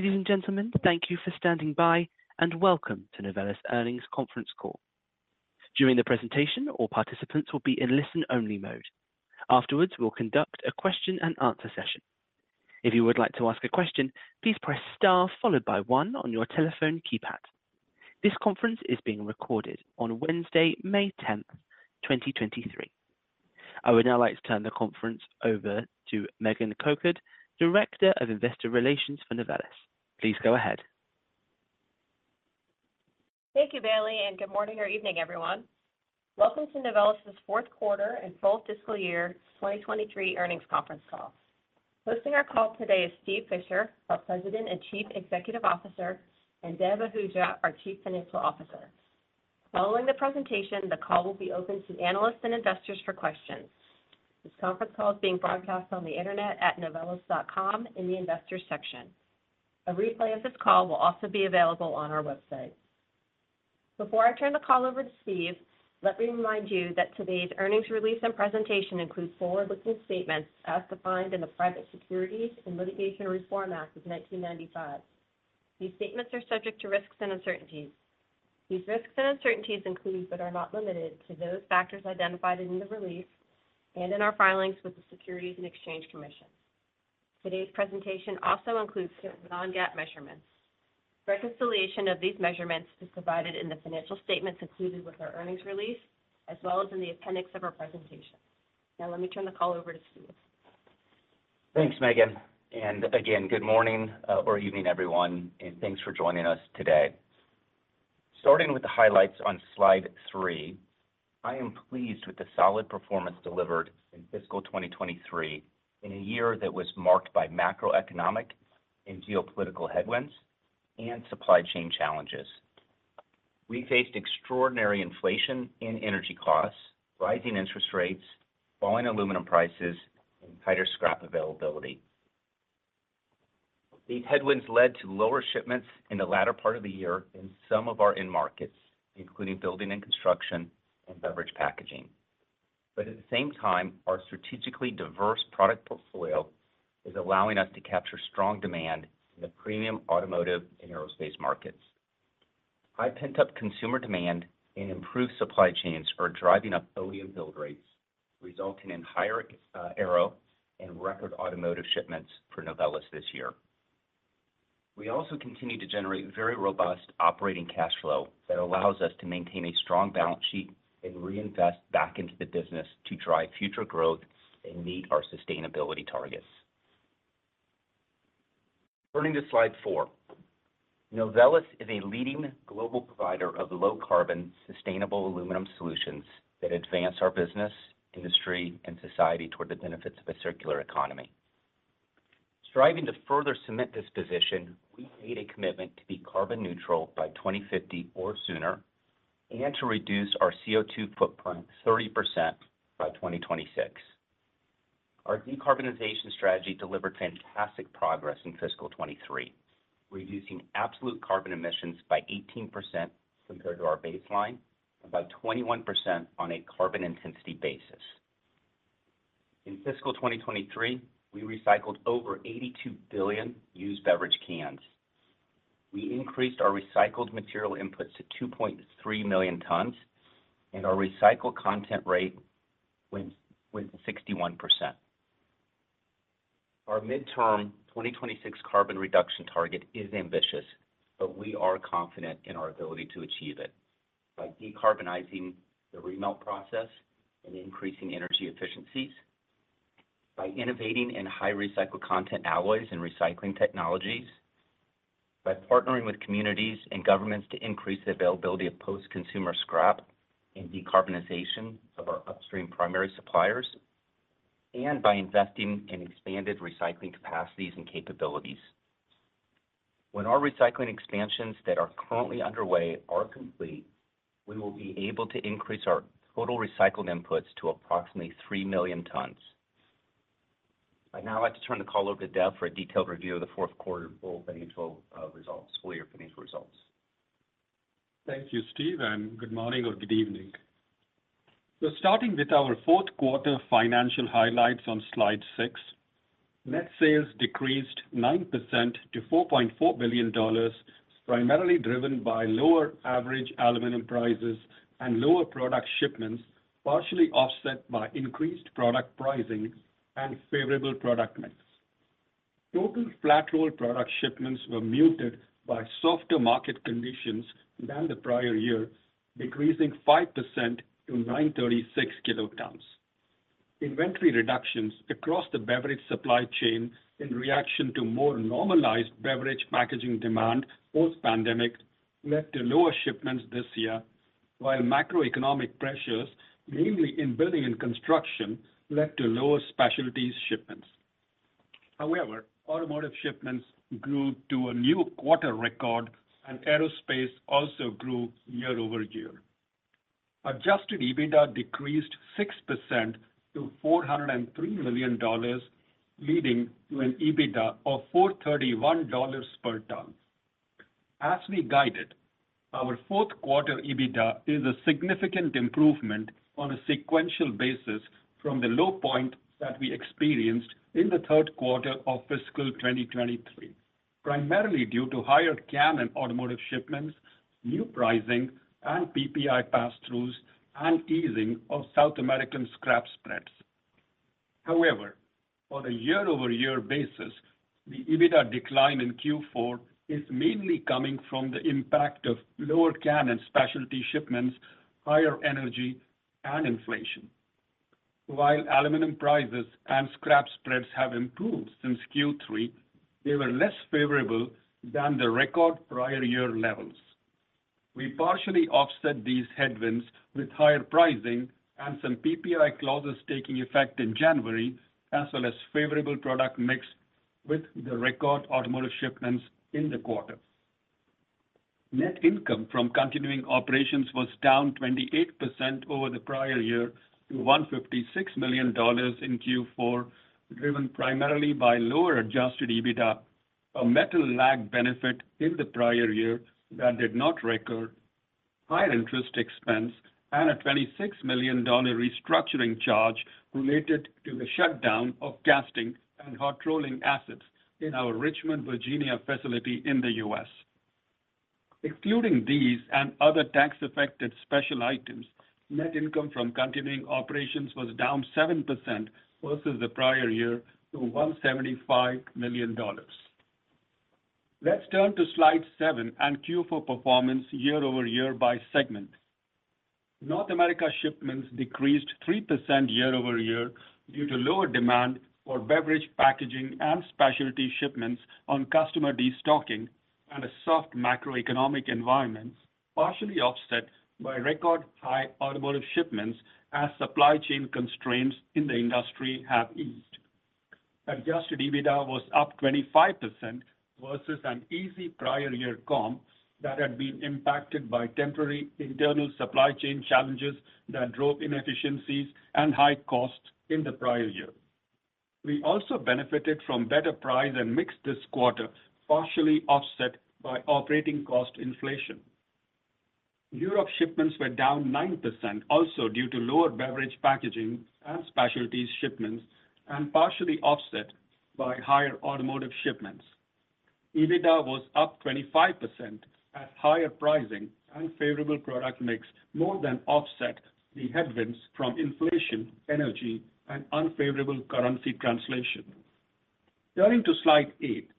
Ladies and gentlemen, thank you for standing by, and welcome to Novelis Earnings Conference Call. During the presentation, all participants will be in listen-only mode. Afterwards, we'll conduct a question-and-answer session. If you would like to ask a question, please press star followed by one on your telephone keypad. This conference is being recorded on Wednesday, May 10th, 2023. I would now like to turn the conference over to Megan Kokot, Director of Investor Relations for Novelis. Please go ahead. Thank you, Bailey. Good morning or evening, everyone. Welcome to Novelis's fourth quarter and full fiscal year 2023 earnings conference call. Hosting our call today is Steve Fisher, our President and Chief Executive Officer, and Dev Ahuja, our Chief Financial Officer. Following the presentation, the call will be open to analysts and investors for questions. This conference call is being broadcast on the internet at novelis.com in the Investors section. A replay of this call will also be available on our website. Before I turn the call over to Steve, let me remind you that today's earnings release and presentation include forward-looking statements as defined in the Private Securities and Litigation Reform Act of 1995. These statements are subject to risks and uncertainties. These risks and uncertainties include, but are not limited to, those factors identified in the release and in our filings with the Securities and Exchange Commission. Today's presentation also includes some non-GAAP measurements. Reconciliation of these measurements is provided in the financial statements included with our earnings release, as well as in the appendix of our presentation. Now let me turn the call over to Steve. Thanks, Megan. Good morning, or evening, everyone. Thanks for joining us today. Starting with the highlights on Slide 3, I am pleased with the solid performance delivered in fiscal 2023, in a year that was marked by macroeconomic and geopolitical headwinds and supply chain challenges. We faced extraordinary inflation in energy costs, rising interest rates, falling aluminum prices, and tighter scrap availability. These headwinds led to lower shipments in the latter part of the year in some of our end markets, including building and construction and beverage packaging. At the same time, our strategically diverse product portfolio is allowing us to capture strong demand in the premium automotive and aerospace markets. High pent-up consumer demand and improved supply chains are driving up automotive build rates, resulting in higher aero and record automotive shipments for Novelis this year. We also continue to generate very robust operating cash flow that allows us to maintain a strong balance sheet and reinvest back into the business to drive future growth and meet our sustainability targets. Turning to Slide 4. Novelis is a leading global provider of low-carbon, sustainable aluminum solutions that advance our business, industry, and society toward the benefits of a circular economy. Striving to further cement this position, we made a commitment to be carbon neutral by 2050 or sooner, and to reduce our CO2 footprint 30% by 2026. Our decarbonization strategy delivered fantastic progress in fiscal 2023, reducing absolute carbon emissions by 18% compared to our baseline, and by 21% on a carbon intensity basis. In fiscal 2023, we recycled over 82 billion used beverage cans. We increased our recycled material inputs to 2.3 million tons. Our recycled content rate went to 61%. Our midterm 2026 carbon reduction target is ambitious. We are confident in our ability to achieve it. By decarbonizing the remelt process and increasing energy efficiencies, by innovating in high recycled content alloys and recycling technologies, by partnering with communities and governments to increase the availability of post-consumer scrap and decarbonization of our upstream primary suppliers, and by investing in expanded recycling capacities and capabilities. When our recycling expansions that are currently underway are complete, we will be able to increase our total recycled inputs to approximately 3 million tons. I'd now like to turn the call over to Dev for a detailed review of the fourth quarter full year financial results. Thank you, Steve, and good morning or good evening. Starting with our fourth quarter financial highlights on Slide 6, net sales decreased 9% to $4.4 billion, primarily driven by lower average aluminum prices and lower product shipments, partially offset by increased product pricing and favorable product mix. Total flat-rolled product shipments were muted by softer market conditions than the prior year, decreasing 5% to 936 KT. Inventory reductions across the beverage supply chain in reaction to more normalized beverage packaging demand post-pandemic led to lower shipments this year, while macroeconomic pressures, mainly in building and construction, led to lower specialties shipments. However, automotive shipments grew to a new quarter record, and aerospace also grew year-over-year. Adjusted EBITDA decreased 6% to $403 million, leading to an EBITDA of $431 per ton.... As we guided, our fourth quarter EBITDA is a significant improvement on a sequential basis from the low point that we experienced in the third quarter of fiscal 2023, primarily due to higher can and automotive shipments, new pricing, and PPI pass-throughs, and easing of South American scrap spreads. On a year-over-year basis, the EBITDA decline in Q4 is mainly coming from the impact of lower can and specialty shipments, higher energy and inflation. While aluminum prices and scrap spreads have improved since Q3, they were less favorable than the record prior year levels. We partially offset these headwinds with higher pricing and some PPI clauses taking effect in January, as well as favorable product mix with the record automotive shipments in the quarter. Net income from continuing operations was down 28% over the prior year to $156 million in Q4, driven primarily by lower Adjusted EBITDA, a metal lag benefit in the prior year that did not recur, higher interest expense, and a $26 million restructuring charge related to the shutdown of casting and hot rolling assets in our Richmond, Virginia, facility in the U.S. Excluding these and other tax-affected special items, net income from continuing operations was down 7% versus the prior year to $175 million. Let's turn to Slide 7 and Q4 performance year-over-year by segment. North America shipments decreased 3% year-over-year due to lower demand for beverage, packaging, and specialty shipments on customer destocking and a soft macroeconomic environment, partially offset by record-high automotive shipments as supply chain constraints in the industry have eased. Adjusted EBITDA was up 25% versus an easy prior year comp that had been impacted by temporary internal supply chain challenges that drove inefficiencies and high costs in the prior year. We also benefited from better price and mix this quarter, partially offset by operating cost inflation. Europe shipments were down 9%, also due to lower beverage packaging and specialties shipments, partially offset by higher automotive shipments. EBITDA was up 25%, higher pricing and favorable product mix more than offset the headwinds from inflation, energy, and unfavorable currency translation. Turning to Slide 8,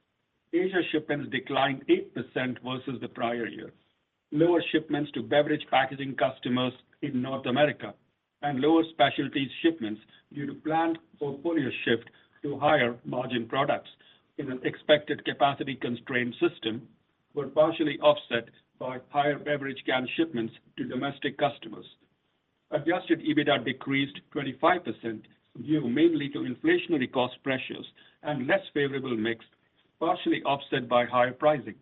Asia shipments declined 8% versus the prior year. Lower shipments to beverage packaging customers in North America and lower specialties shipments due to planned portfolio shift to higher-margin products in an expected capacity-constrained system, were partially offset by higher beverage can shipments to domestic customers. Adjusted EBITDA decreased 25%, due mainly to inflationary cost pressures and less favorable mix, partially offset by higher pricing.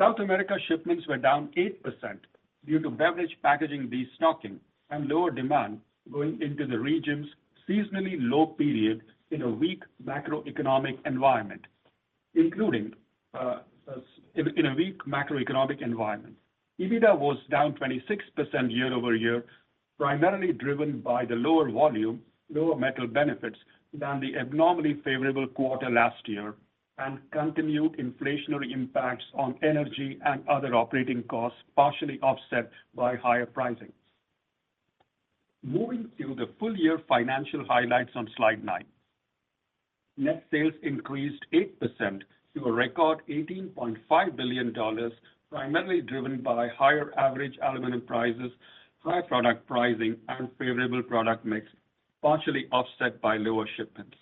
South America shipments were down 8% due to beverage packaging destocking and lower demand going into the region's seasonally low period in a weak macroeconomic environment, including in a weak macroeconomic environment. EBITDA was down 26% year-over-year, primarily driven by the lower volume, lower metal benefits than the abnormally favorable quarter last year, and continued inflationary impacts on energy and other operating costs, partially offset by higher pricing. Moving to the full-year financial highlights on Slide 9. Net sales increased 8% to a record $18.5 billion, primarily driven by higher average aluminum prices, higher product pricing, and favorable product mix, partially offset by lower shipments.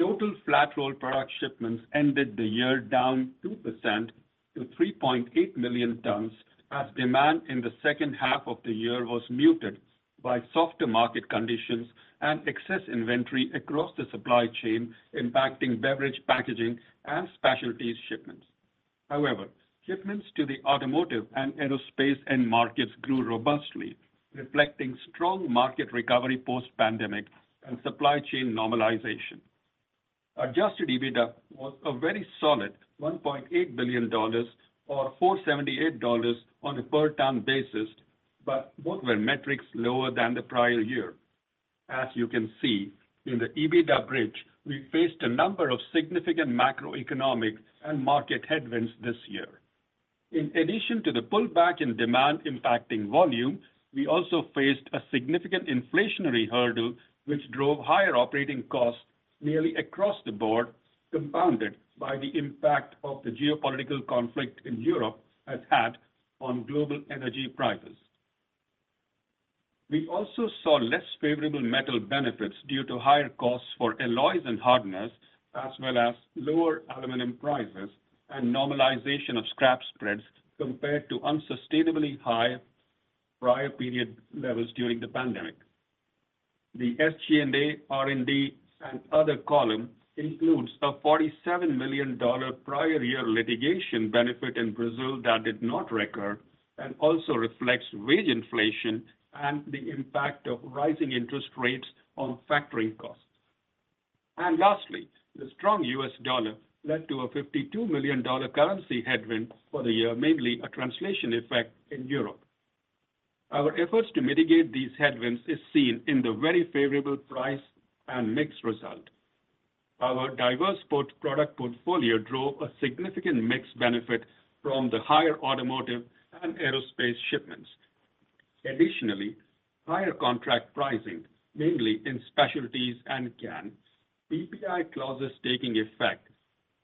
Total flat-rolled product shipments ended the year down 2% to 3.8 million tons, as demand in the second half of the year was muted by softer market conditions and excess inventory across the supply chain, impacting beverage, packaging, and specialties shipments. However, shipments to the automotive and aerospace end markets grew robustly, reflecting strong market recovery post-pandemic and supply chain normalization. Adjusted EBITDA was a very solid $1.8 billion, or $478 on a per-ton basis. Both were metrics lower than the prior year. As you can see, in the EBITDA bridge, we faced a number of significant macroeconomic and market headwinds this year. In addition to the pullback in demand impacting volume, we also faced a significant inflationary hurdle, which drove higher operating costs nearly across the board, compounded by the impact of the geopolitical conflict in Europe has had on global energy prices. We also saw less favorable metal benefits due to higher costs for alloys and hardness, as well as lower aluminum prices and normalization of scrap spreads compared to unsustainably high prior period levels during the pandemic. The SG&A, R&D, and other column includes a $47 million prior year litigation benefit in Brazil that did not recur and also reflects wage inflation and the impact of rising interest rates on factoring costs. Lastly, the strong US dollar led to a $52 million currency headwind for the year, mainly a translation effect in Europe. Our efforts to mitigate these headwinds is seen in the very favorable price and mix result. Our diverse product portfolio drove a significant mix benefit from the higher automotive and aerospace shipments. Additionally, higher contract pricing, mainly in specialties and can, PPI clauses taking effect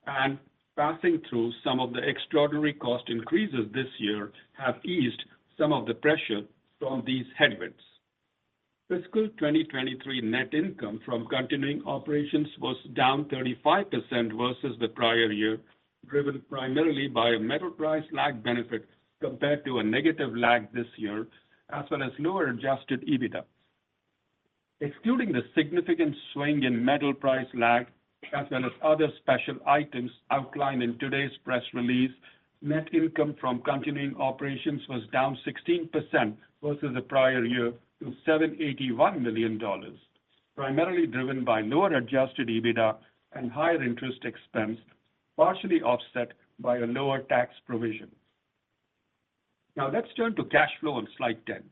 and passing through some of the extraordinary cost increases this year, have eased some of the pressure from these headwinds. Fiscal 2023 net income from continuing operations was down 35% versus the prior year, driven primarily by a metal price lag benefit compared to a negative lag this year, as well as lower Adjusted EBITDA. Excluding the significant swing in metal price lag, as well as other special items outlined in today's press release, net income from continuing operations was down 16% versus the prior year to $781 million, primarily driven by lower Adjusted EBITDA and higher interest expense, partially offset by a lower tax provision. Let's turn to cash flow on Slide 10.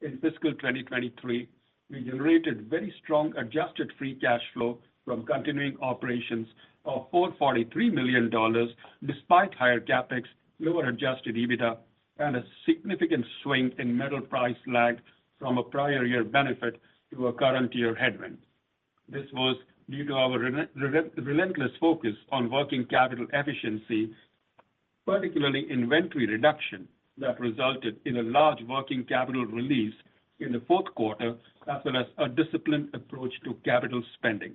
In fiscal 2023, we generated very strong adjusted free cash flow from continuing operations of $443 million, despite higher CapEx, lower Adjusted EBITDA, and a significant swing in metal price lag from a prior year benefit to a current year headwind. This was due to our relentless focus on working capital efficiency, particularly inventory reduction, that resulted in a large working capital release in the fourth quarter, as well as a disciplined approach to capital spending.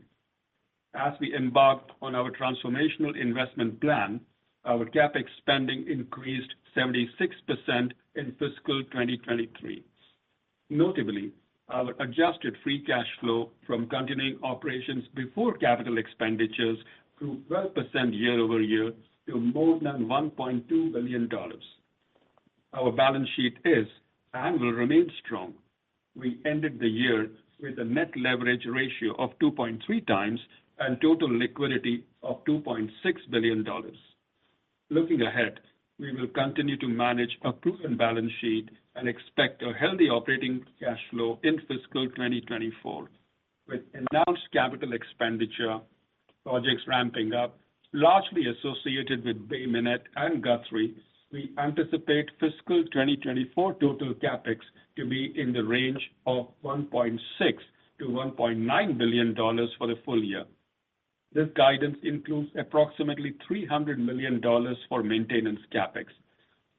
As we embarked on our transformational investment plan, our CapEx spending increased 76% in fiscal 2023. Notably, our adjusted free cash flow from continuing operations before capital expenditures grew 12% year-over-year to more than $1.2 billion. Our balance sheet is and will remain strong. We ended the year with a net leverage ratio of 2.3x and total liquidity of $2.6 billion. Looking ahead, we will continue to manage a proven balance sheet and expect a healthy operating cash flow in fiscal 2024. With announced capital expenditure projects ramping up, largely associated with Bay Minette and Guthrie, we anticipate fiscal 2024 total CapEx to be in the range of $1.6 billion-$1.9 billion for the full year. This guidance includes approximately $300 million for maintenance CapEx.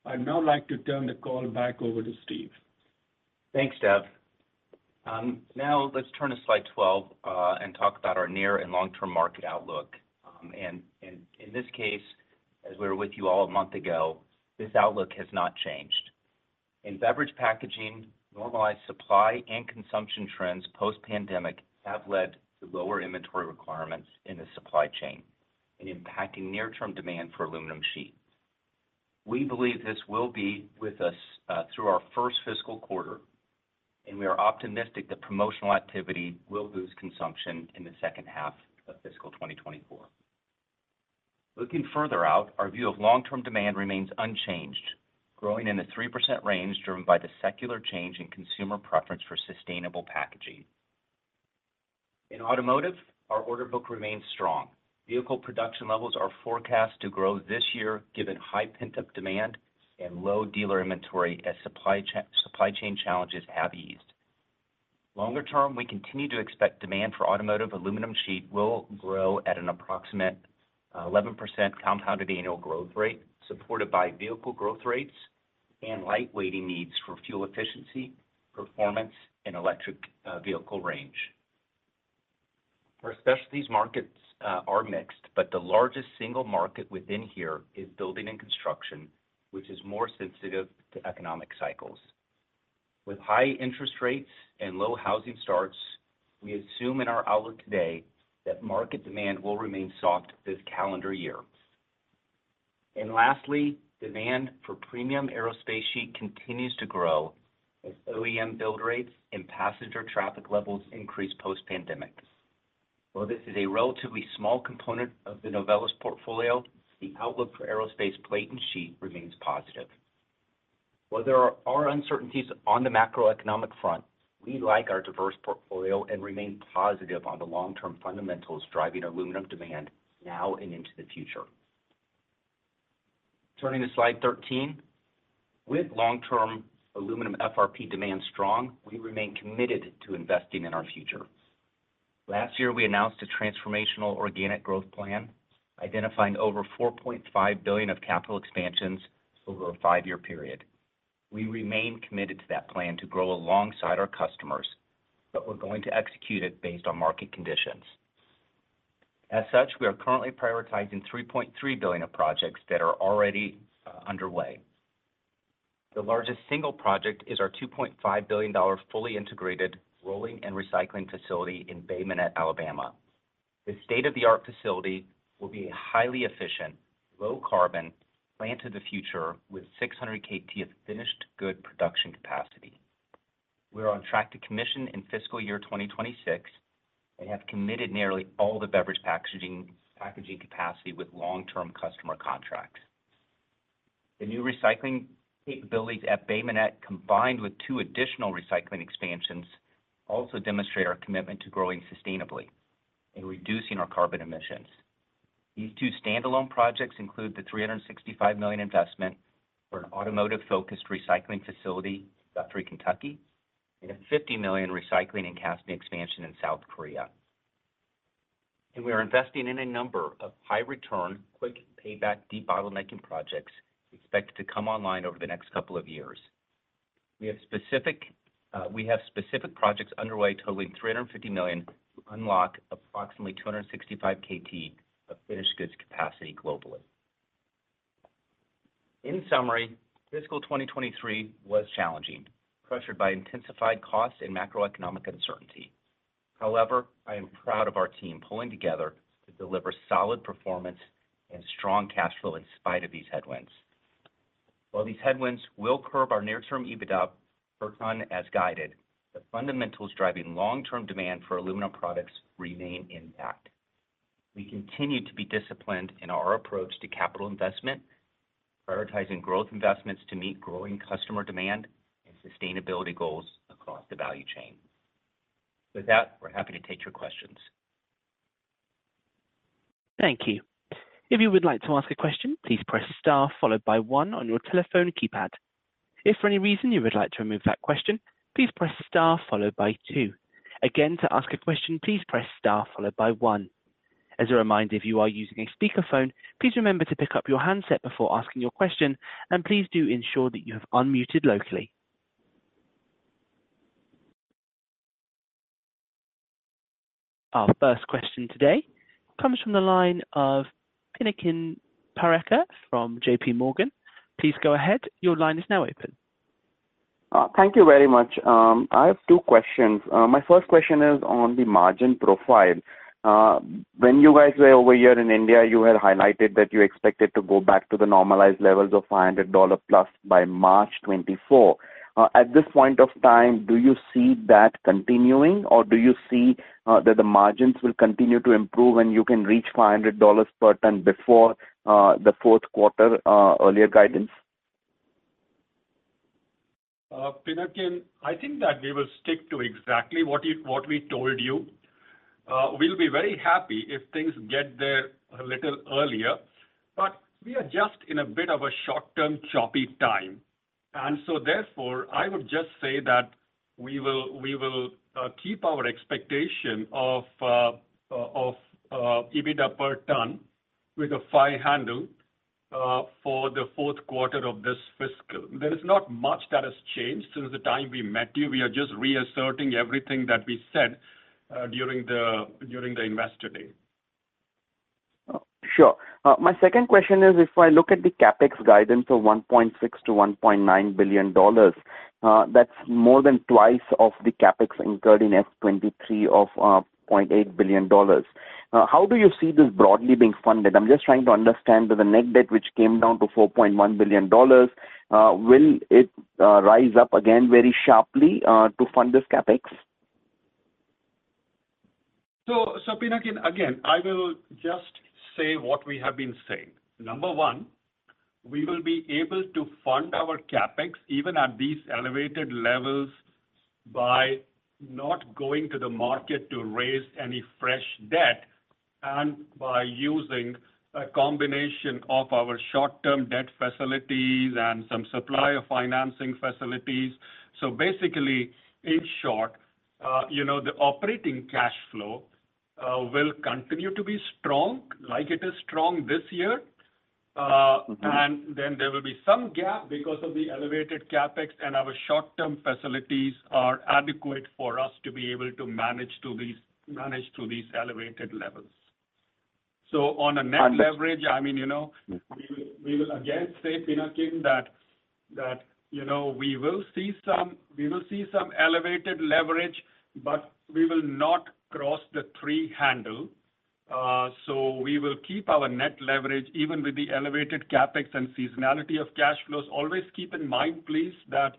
I'd now like to turn the call back over to Steve. Thanks, Dev. Let's turn to Slide 12 and talk about our near and long-term market outlook. In this case, as we were with you all a month ago, this outlook has not changed. In beverage packaging, normalized supply and consumption trends post-pandemic have led to lower inventory requirements in the supply chain and impacting near-term demand for aluminum sheet. We believe this will be with us through our 1st fiscal quarter, and we are optimistic that promotional activity will boost consumption in the 2nd half of fiscal 2024. Looking further out, our view of long-term demand remains unchanged, growing in the 3% range, driven by the secular change in consumer preference for sustainable packaging. In automotive, our order book remains strong. Vehicle production levels are forecast to grow this year, given high pent-up demand and low dealer inventory as supply chain challenges have eased. Longer term, we continue to expect demand for automotive aluminum sheet will grow at an approximate 11% compounded annual growth rate, supported by vehicle growth rates and lightweighting needs for fuel efficiency, performance, and electric vehicle range. Our specialties markets are mixed, but the largest single market within here is building and construction, which is more sensitive to economic cycles. With high interest rates and low housing starts, we assume in our outlook today that market demand will remain soft this calendar year. Lastly, demand for premium aerospace sheet continues to grow as OEM build rates and passenger traffic levels increase post-pandemic. While this is a relatively small component of the Novelis portfolio, the outlook for aerospace plate and sheet remains positive. While there are uncertainties on the macroeconomic front, we like our diverse portfolio and remain positive on the long-term fundamentals driving aluminum demand now and into the future. Turning to Slide 13. With long-term aluminum FRP demand strong, we remain committed to investing in our future. Last year, we announced a transformational organic growth plan, identifying over $4.5 billion of capital expansions over a five-year period. We remain committed to that plan to grow alongside our customers. We're going to execute it based on market conditions. As such, we are currently prioritizing $3.3 billion of projects that are already underway. The largest single project is our $2.5 billion, fully integrated rolling and recycling facility in Bay Minette, Alabama. This state-of-the-art facility will be a highly efficient, low carbon plant of the future with 600 KT of finished good production capacity. We are on track to commission in fiscal year 2026 and have committed nearly all the beverage packaging capacity with long-term customer contracts. The new recycling capabilities at Bay Minette, combined with two additional recycling expansions, also demonstrate our commitment to growing sustainably and reducing our carbon emissions. These two standalone projects include the $365 million investment for an automotive-focused recycling facility in Kentucky, and a $50 million recycling and casting expansion in South Korea. We are investing in a number of high-return, quick payback, debottlenecking projects expected to come online over the next couple of years. We have specific projects underway totaling $350 million, to unlock approximately 265 KT of finished goods capacity globally. In summary, fiscal 2023 was challenging, pressured by intensified costs and macroeconomic uncertainty. However, I am proud of our team pulling together to deliver solid performance and strong cash flow in spite of these headwinds. While these headwinds will curb our near-term EBITDA per ton as guided, the fundamentals driving long-term demand for aluminum products remain intact. We continue to be disciplined in our approach to capital investment, prioritizing growth investments to meet growing customer demand and sustainability goals across the value chain. With that, we're happy to take your questions. Thank you. If you would like to ask a question, please press star followed by one on your telephone keypad. If for any reason you would like to remove that question, please press star followed by two. Again, to ask a question, please press star followed by one. As a reminder, if you are using a speakerphone, please remember to pick up your handset before asking your question, please do ensure that you have unmuted locally. Our first question today comes from the line of Pinakin Parekh from JPMorgan. Please go ahead. Your line is now open. Thank you very much. I have two questions. My first question is on the margin profile. When you guys were over here in India, you had highlighted that you expected to go back to the normalized levels of $500 plus by March 2024. At this point of time, do you see that continuing, or do you see that the margins will continue to improve and you can reach $500 per ton before the fourth quarter earlier guidance? Pinakin, I think that we will stick to exactly what we told you. We'll be very happy if things get there a little earlier, but we are just in a bit of a short-term, choppy time. Therefore, I would just say that we will keep our expectation of EBITDA per ton with a five handle for the fourth quarter of this fiscal. There is not much that has changed since the time we met you. We are just reasserting everything that we said during the Investor Day. Sure. My second question is: If I look at the CapEx guidance of $1.6 billion-$1.9 billion, that's more than twice of the CapEx incurred in F23 of $0.8 billion. How do you see this broadly being funded? I'm just trying to understand with the net debt, which came down to $4.1 billion, will it rise up again very sharply to fund this CapEx? So Pinakin, again, I will just say what we have been saying. Number one, we will be able to fund our CapEx, even at these elevated levels, by not going to the market to raise any fresh debt and by using a combination of our short-term debt facilities and some supplier financing facilities. Basically, in short, you know, the operating cash flow will continue to be strong, like it is strong this year. Mm-hmm. There will be some gap because of the elevated CapEx, and our short-term facilities are adequate for us to be able to manage to these elevated levels. On a net leverage, I mean, you know, we will again say, Pinakin, that, you know, we will see some elevated leverage, but we will not cross the three handle. We will keep our net leverage, even with the elevated CapEx and seasonality of cash flows. Always keep in mind, please, that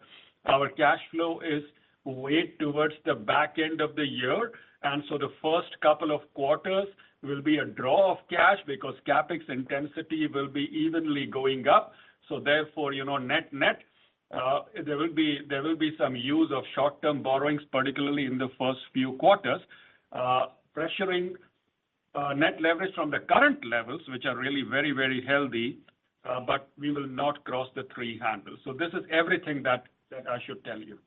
our cash flow is weighed towards the back end of the year. The first couple of quarters will be a draw of cash because CapEx intensity will be evenly going up. Therefore, you know, net-net, there will be some use of short-term borrowings, particularly in the first few quarters, pressuring net leverage from the current levels, which are really very healthy, but we will not cross the three handles. This is everything that I should tell you.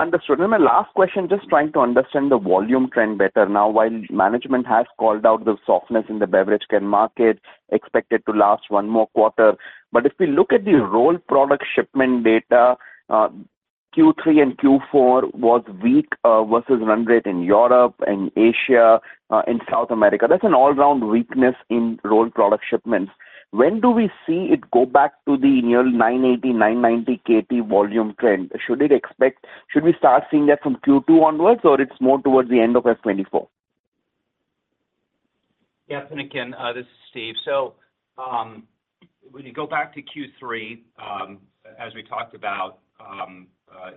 Understood. My last question, just trying to understand the volume trend better. Now, while management has called out the softness in the beverage can market, expected to last one more quarter, but if we look at the rolled product shipment data, Q3 and Q4 was weak versus run rate in Europe and Asia and South America. That's an all-round weakness in rolled product shipments. When do we see it go back to the near 980, 990 KT volume trend? Should we start seeing that from Q2 onwards, or is it more towards the end of F 2024? Yes, and again, this is Steve. When you go back to Q3, as we talked about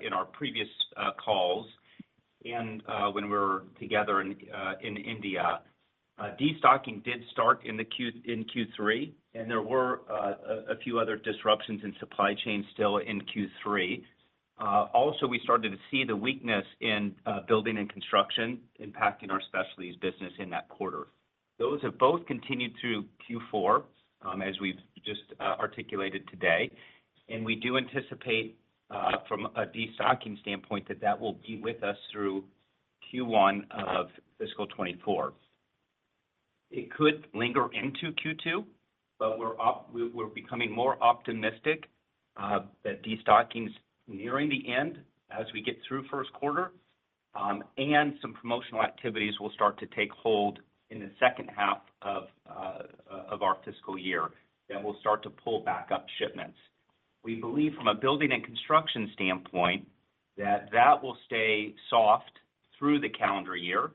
in our previous calls and when we were together in India. Destocking did start in Q3, and there were a few other disruptions in supply chain still in Q3. We started to see the weakness in building and construction impacting our specialties business in that quarter. Those have both continued through Q4, as we've just articulated today, and we do anticipate from a destocking standpoint, that that will be with us through Q1 of fiscal 2024. It could linger into Q2, but we're becoming more optimistic that destocking is nearing the end as we get through first quarter. Some promotional activities will start to take hold in the second half of our fiscal year, that will start to pull back up shipments. We believe from a building and construction standpoint, that that will stay soft through the calendar year,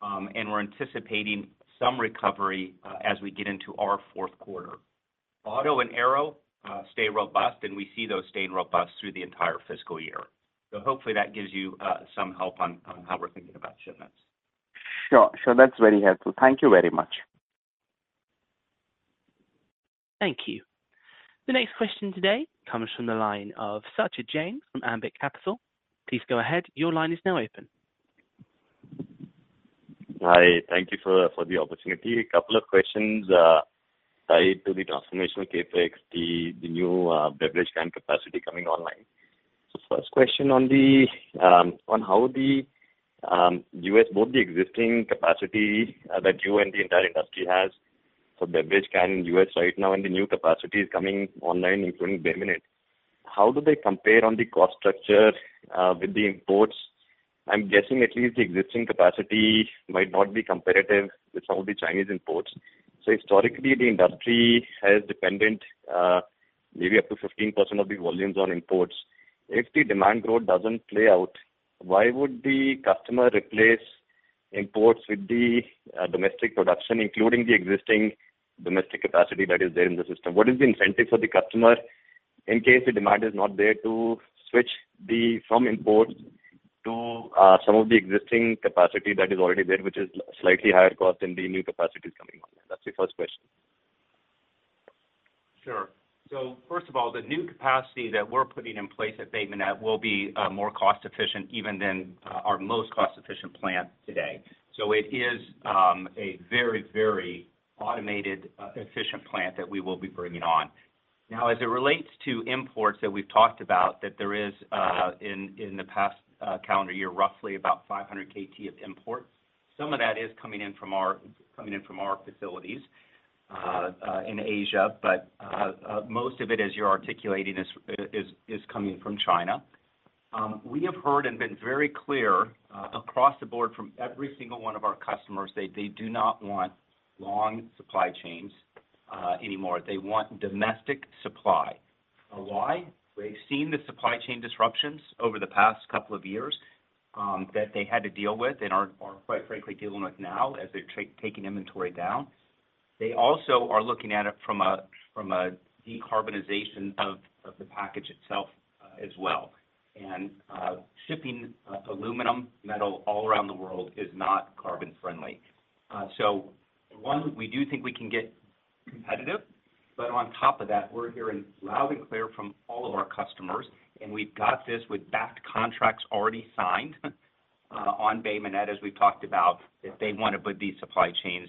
and we're anticipating some recovery as we get into our fourth quarter. Auto and aero stay robust, and we see those staying robust through the entire fiscal year. Hopefully that gives you some help on how we're thinking about shipments. Sure. That's very helpful. Thank you very much. Thank you. The next question today comes from the line of Satyadeep Jain from Ambit Capital. Please go ahead. Your line is now open. Hi, thank you for the opportunity. A couple of questions tied to the transformational CapEx, the new beverage can capacity coming online. First question on how the U.S., both the existing capacity that you and the entire industry has for beverage can U.S. right now, and the new capacity is coming online, including Bay Minette. How do they compare on the cost structure with the imports? I'm guessing at least the existing capacity might not be competitive with some of the Chinese imports. Historically, the industry has dependent, maybe up to 15% of the volumes on imports. If the demand growth doesn't play out, why would the customer replace imports with the domestic production, including the existing domestic capacity that is there in the system? What is the incentive for the customer in case the demand is not there, to switch the, from imports to, some of the existing capacity that is already there, which is slightly higher cost than the new capacities coming on? That's the first question. Sure. First of all, the new capacity that we're putting in place at Bay Minette will be more cost efficient even than our most cost-efficient plant today. It is a very, very automated, efficient plant that we will be bringing on. Now, as it relates to imports that we've talked about, that there is in the past calendar year, roughly about 500 KT of import. Some of that is coming in from our facilities in Asia, but most of it, as you're articulating, is coming from China. We have heard and been very clear across the board from every single one of our customers, they do not want long supply chains anymore. They want domestic supply. Why? They've seen the supply chain disruptions over the past couple of years, that they had to deal with and are, quite frankly, dealing with now as they're taking inventory down. They also are looking at it from a decarbonization of the package itself as well. Shipping aluminum metal all around the world is not carbon friendly. One, we do think we can get competitive, but on top of that, we're hearing loud and clear from all of our customers, and we've got this with backed contracts already signed on Bay Minette, as we've talked about, that they want to build these supply chains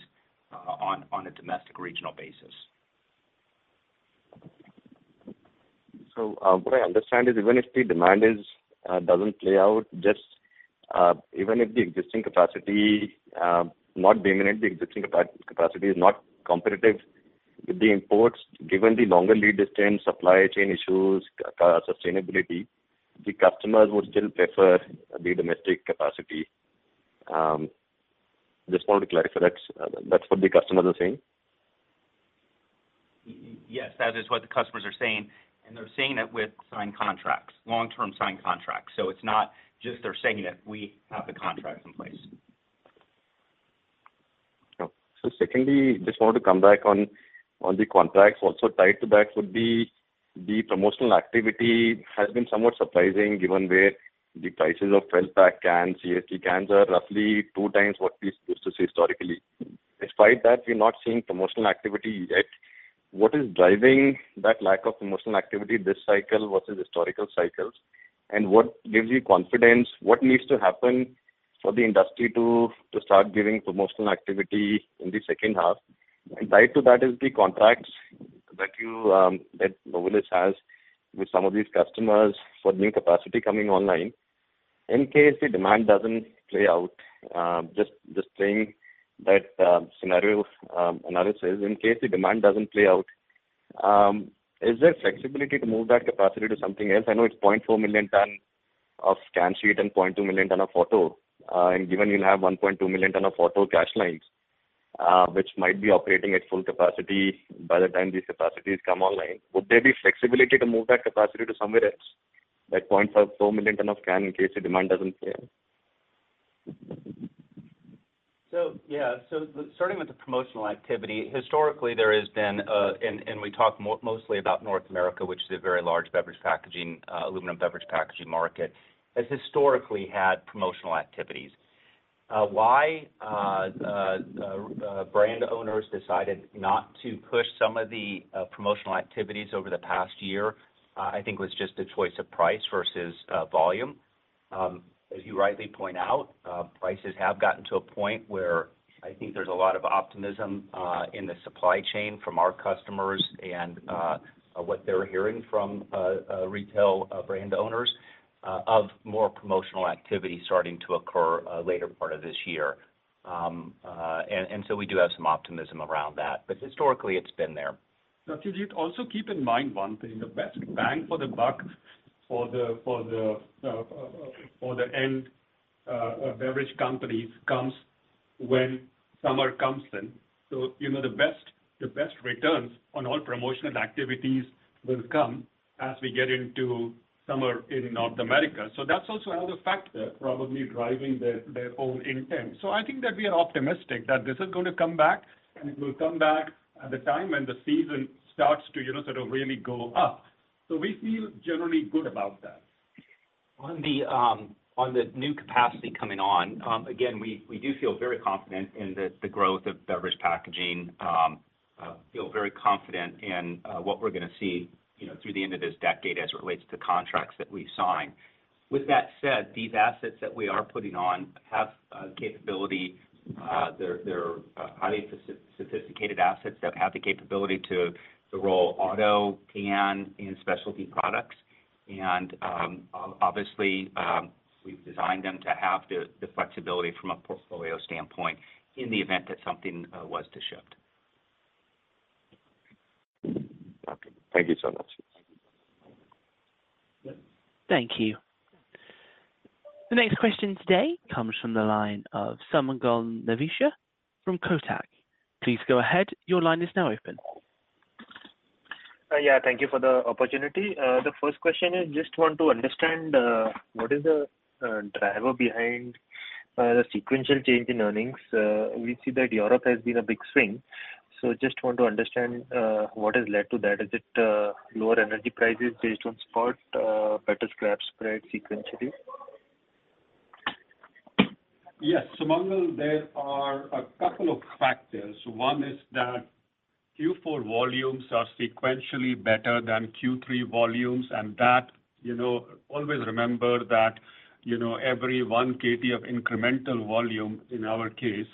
on a domestic regional basis. What I understand is, even if the demand doesn't play out, just even if the existing capacity, not Bay Minette, the existing capacity is not competitive with the imports, given the longer lead distance, supply chain issues, sustainability, the customers would still prefer the domestic capacity. Just want to clarify, that's what the customers are saying? Yes, that is what the customers are saying, and they're saying it with signed contracts, long-term signed contracts. It's not just they're saying it, we have the contracts in place. Secondly, just want to come back on the contracts. Tied to that would be the promotional activity has been somewhat surprising, given where the prices of fell pack cans, CST cans, are roughly 2x what we used to see historically. Despite that, we're not seeing promotional activity yet. What is driving that lack of promotional activity this cycle versus historical cycles? What gives you confidence? What needs to happen for the industry to start giving promotional activity in the second half? Tied to that is the contracts that you that Ball Corporation has with some of these customers for new capacity coming online. In case the demand doesn't play out, just saying that scenario analysis. In case the demand doesn't play out, is there flexibility to move that capacity to something else? I know it's 0.4 million ton of can sheet and 0.2 million ton of auto. Given you'll have 1.2 million ton of auto cash lines, which might be operating at full capacity by the time these capacities come online, would there be flexibility to move that capacity to somewhere else? That points out so million ton of can in case the demand doesn't fail. Starting with the promotional activity, historically, there has been, and we talk mostly about North America, which is a very large beverage packaging, aluminum beverage packaging market, has historically had promotional activities. Why the brand owners decided not to push some of the promotional activities over the past year, I think was just a choice of price versus volume. As you rightly point out, prices have gotten to a point where I think there's a lot of optimism in the supply chain from our customers and what they're hearing from retail brand owners of more promotional activity starting to occur later part of this year. We do have some optimism around that, but historically, it's been there. Now, Satyadeep, also keep in mind one thing, the best bang for the buck for the end beverage companies comes when summer comes in. You know, the best returns on all promotional activities will come as we get into summer in North America. That's also another factor probably driving their own intent. I think that we are optimistic that this is going to come back, and it will come back at the time when the season starts to, you know, sort of really go up. We feel generally good about that. On the, on the new capacity coming on, again, we do feel very confident in the growth of beverage packaging. Feel very confident in what we're gonna see, you know, through the end of this decade as it relates to contracts that we've signed. With that said, these assets that we are putting on have capability. They're, they're highly sophisticated assets that have the capability to roll auto, can, and specialty products. Obviously, we've designed them to have the flexibility from a portfolio standpoint in the event that something was to shift. Okay. Thank you so much. Thank you. The next question today comes from the line of Sumangal Nevatia from Kotak. Please go ahead. Your line is now open. Yeah, thank you for the opportunity. The first question is, just want to understand what is the driver behind the sequential change in earnings? We see that Europe has been a big swing. Just want to understand what has led to that. Is it lower energy prices based on spot, better scrap spread sequentially? Yes, Sumangal, there are a couple of factors. One is that Q4 volumes are sequentially better than Q3 volumes, and that, you know, always remember that, you know, every 1 KB of incremental volume in our case,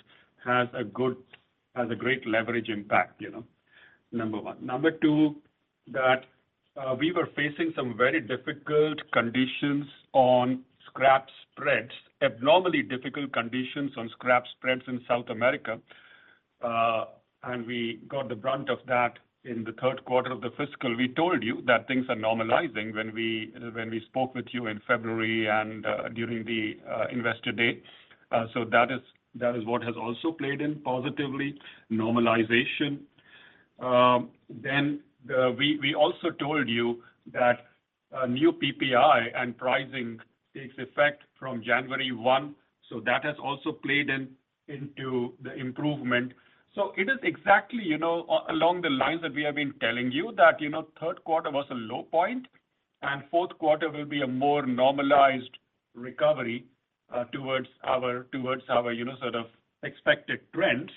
has a great leverage impact, you know, number one. Number two, that, we were facing some very difficult conditions on scrap spreads, abnormally difficult conditions on scrap spreads in South America, and we got the brunt of that in the third quarter of the fiscal. We told you that things are normalizing when we spoke with you in February and, during the investor date. That is what has also played in positively, normalization. We, we also told you that a new PPI and pricing takes effect from January 1. That has also played in, into the improvement. It is exactly, you know, along the lines that we have been telling you, that, you know, third quarter was a low point, and fourth quarter will be a more normalized recovery towards our, towards our, you know, sort of expected trends.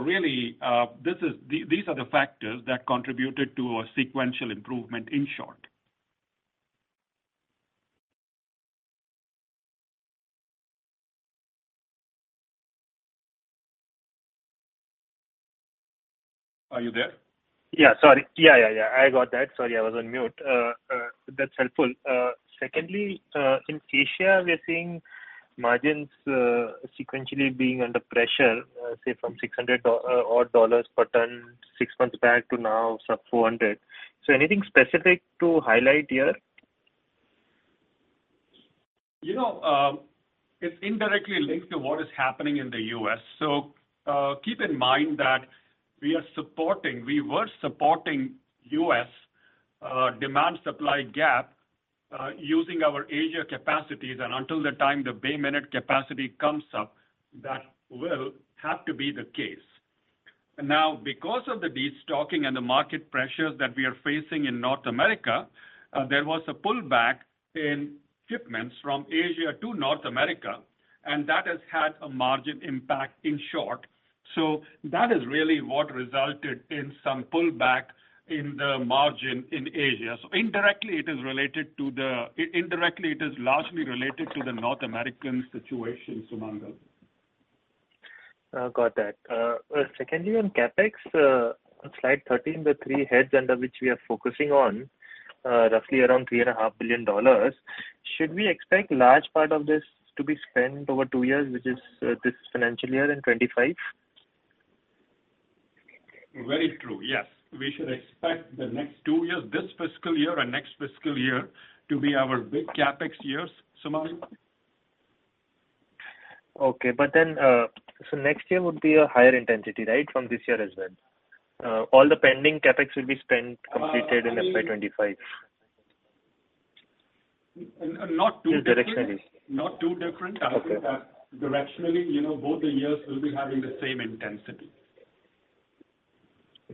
Really, this is. These are the factors that contributed to a sequential improvement, in short. Are you there? Yeah, sorry. Yeah, yeah, I got that. Sorry, I was on mute. That's helpful. Secondly, in Asia, we are seeing margins, sequentially being under pressure, say, from $600 odd dollars per ton 6 months back to now, so $400. Anything specific to highlight here? You know, it's indirectly linked to what is happening in the U.S. Keep in mind that we were supporting U.S. demand-supply gap using our Asia capacities, and until the time the Bay Minette capacity comes up, that will have to be the case. Now, because of the destocking and the market pressures that we are facing in North America, there was a pullback in shipments from Asia to North America, and that has had a margin impact, in short. That is really what resulted in some pullback in the margin in Asia. Indirectly, it is largely related to the North American situation, Sumangal. Got that. Secondly, on CapEx, on Slide 13, the three heads under which we are focusing on, roughly around three and a half billion dollars, should we expect large part of this to be spent over two years, which is, this financial year and 2025? Very true, yes. We should expect the next two years, this fiscal year and next fiscal year, to be our big CapEx years, Sumangal. Next year would be a higher intensity, right? From this year as well. All the pending CapEx will be spent, completed in FY25. not too- The direction is? Not too different. Okay. I think that directionally, you know, both the years will be having the same intensity.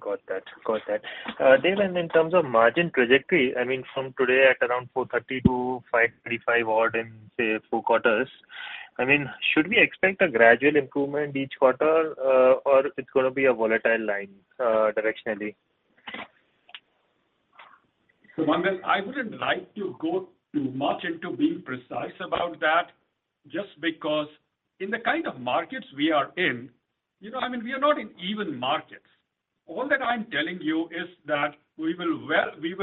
Got that. Got that. Dev, in terms of margin trajectory, I mean, from today at around $430-$535 odd in, say, four quarters, I mean, should we expect a gradual improvement each quarter, or it's gonna be a volatile line, directionally? Sumangal, I wouldn't like to go too much into being precise about that, just because in the kind of markets we are in, you know, I mean, we are not in even markets. All that I'm telling you is that we will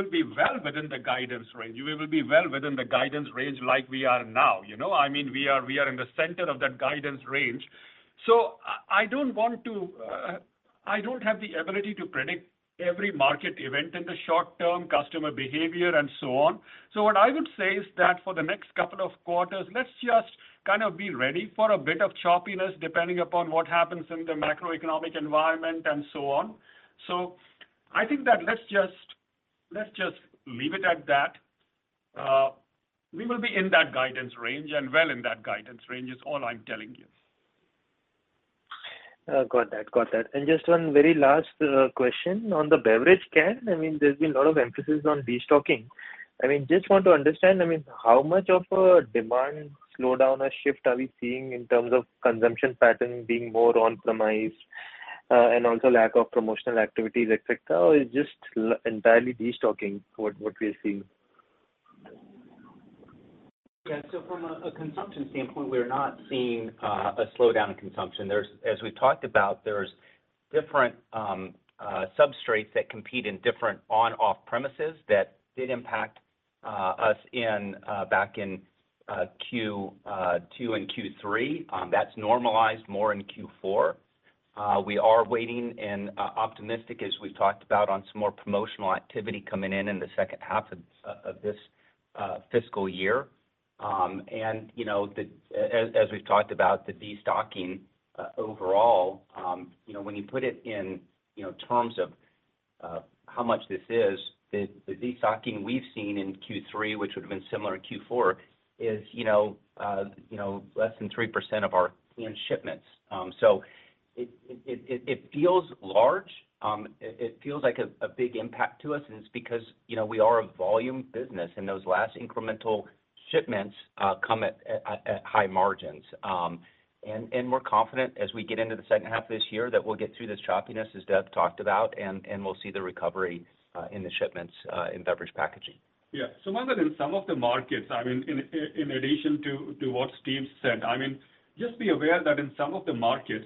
be well within the guidance range. We will be well within the guidance range like we are now, you know? I mean, we are in the center of that guidance range. I don't want to... I don't have the ability to predict every market event in the short term, customer behavior, and so on. What I would say is that for the next couple of quarters, let's just kind of be ready for a bit of choppiness, depending upon what happens in the macroeconomic environment and so on. I think that let's just leave it at that. We will be in that guidance range, and well in that guidance range, is all I'm telling you. Got that. Got that. Just one very last question on the beverage can. I mean, there's been a lot of emphasis on destocking. I mean, just want to understand, I mean, how much of a demand slowdown or shift are we seeing in terms of consumption pattern being more on-premise, and also lack of promotional activities, et cetera? Or it's just entirely destocking, what we are seeing? Yeah. From a consumption standpoint, we are not seeing a slowdown in consumption. As we've talked about, there's different substrates that compete in different on/off premises that did impact us back in Q2 and Q3. That's normalized more in Q4. We are waiting and optimistic, as we've talked about, on some more promotional activity coming in in the second half of this fiscal year. You know, as we've talked about, the destocking overall, you know, when you put it in, you know, terms of how much this is, the destocking we've seen in Q3, which would have been similar to Q4, is, you know, less than 3% of our can shipments. It feels large. It feels like a big impact to us. It's because, you know, we are a volume business, and those last incremental shipments come at high margins. We're confident as we get into the second half of this year, that we'll get through this choppiness, as Dev talked about, and we'll see the recovery in the shipments in beverage packaging. Yeah. Sumangal, in some of the markets, I mean, in addition to what Steve said, I mean, just be aware that in some of the markets,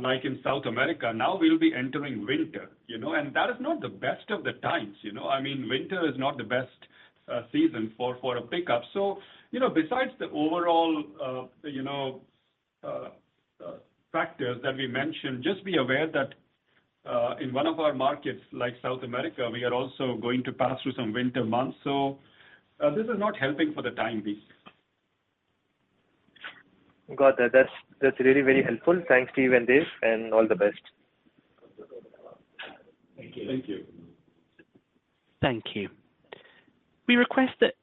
like in South America, now we'll be entering winter, you know? That is not the best of the times, you know. I mean, winter is not the best season for a pickup. you know, besides the overall, you know, factors that we mentioned, just be aware that in one of our markets, like South America, we are also going to pass through some winter months, this is not helping for the time being. Got that. That's really very helpful. Thanks, Steve and Dev, and all the best. Thank you. Thank you. Thank you. We request that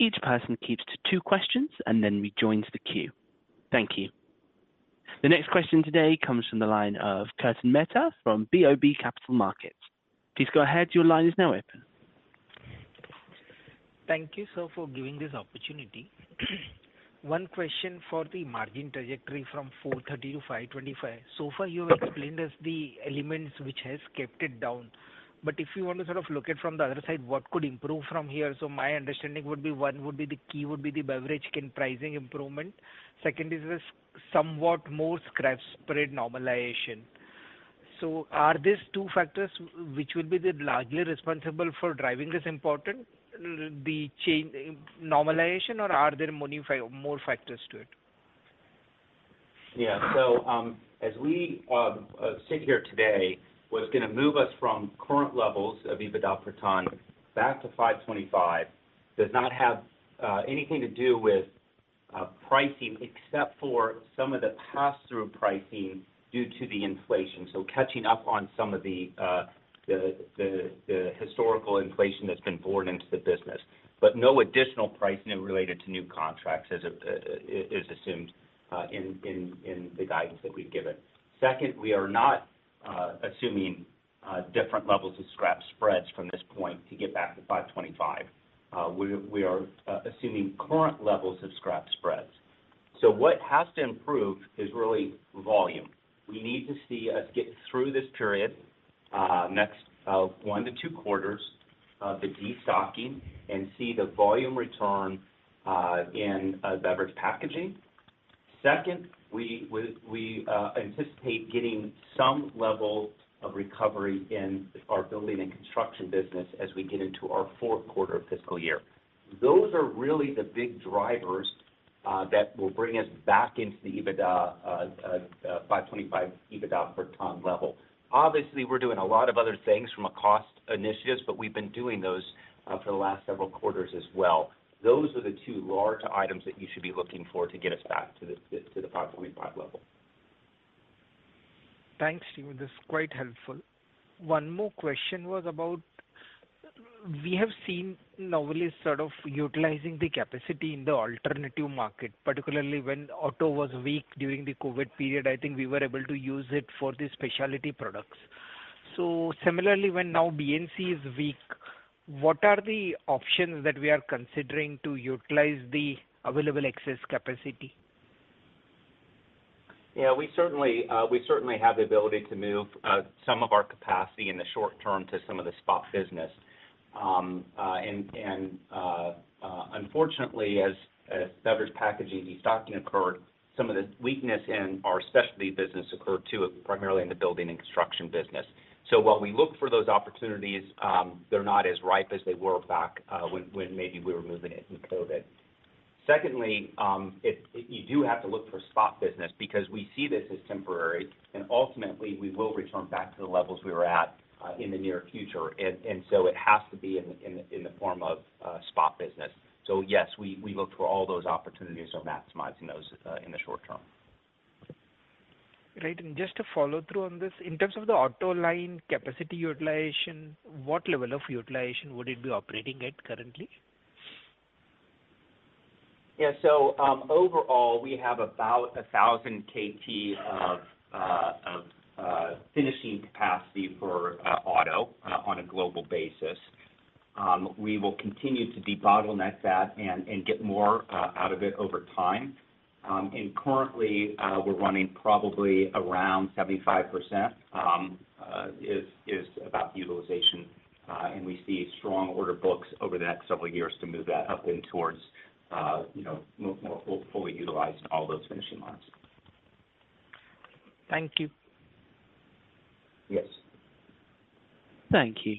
each person keeps to two questions and then rejoins the queue. Thank you. The next question today comes from the line of Kirtan Mehta from BOB Capital Markets. Please go ahead. Your line is now open. Thank you, sir, for giving this opportunity. One question for the margin trajectory from 430 to 525. Far, you have explained as the elements which has kept it down, but if you want to sort of look it from the other side, what could improve from here? My understanding would be, one would be the key, would be the beverage can pricing improvement. Second, is this somewhat more scrap spread normalization. Are these two factors which will be the largely responsible for driving this important, the change, normalization, or are there more more factors to it? Yeah. As we sit here today, what's gonna move us from current levels of EBITDA per ton back to 525, does not have anything to do with pricing, except for some of the pass-through pricing due to the inflation. Catching up on some of the historical inflation that's been born into the business. But no additional pricing related to new contracts as a is assumed in the guidance that we've given. Second, we are not assuming different levels of scrap spreads from this point to get back to 525. We are assuming current levels of scrap spreads. What has to improve is really volume. We need to see us get through this period, next, one to two quarters of the destocking and see the volume return in beverage packaging. Second, we anticipate getting some level of recovery in our building and construction business as we get into our fourth quarter of fiscal year. Those are really the big drivers that will bring us back into the EBITDA $525 EBITDA per ton level. Obviously, we're doing a lot of other things from a cost initiatives, but we've been doing those for the last several quarters as well. Those are the two large items that you should be looking for to get us back to the, to the $525 level. Thanks, Steven. This is quite helpful. One more question was about, we have seen Novelis sort of utilizing the capacity in the alternative market, particularly when auto was weak during the COVID period, I think we were able to use it for the specialty products. Similarly, when now BNC is weak, what are the options that we are considering to utilize the available excess capacity? We certainly have the ability to move some of our capacity in the short term to some of the spot business. Unfortunately, as beverage packaging destocking occurred, some of the weakness in our specialty business occurred too, primarily in the building and construction business. While we look for those opportunities, they're not as ripe as they were back when maybe we were moving it in COVID. Secondly, if you do have to look for spot business because we see this as temporary, and ultimately we will return back to the levels we were at in the near future. It has to be in the form of spot business. Yes, we look for all those opportunities for maximizing those in the short term. Great. Just to follow through on this, in terms of the auto line capacity utilization, what level of utilization would it be operating at currently? Overall, we have about 1,000 KT of finishing capacity for auto on a global basis. We will continue to debottleneck that and get more out of it over time. Currently, we're running probably around 75% is about the utilization. We see strong order books over the next several years to move that up in towards, you know, more fully utilizing all those finishing lines. Thank you. Yes. Thank you.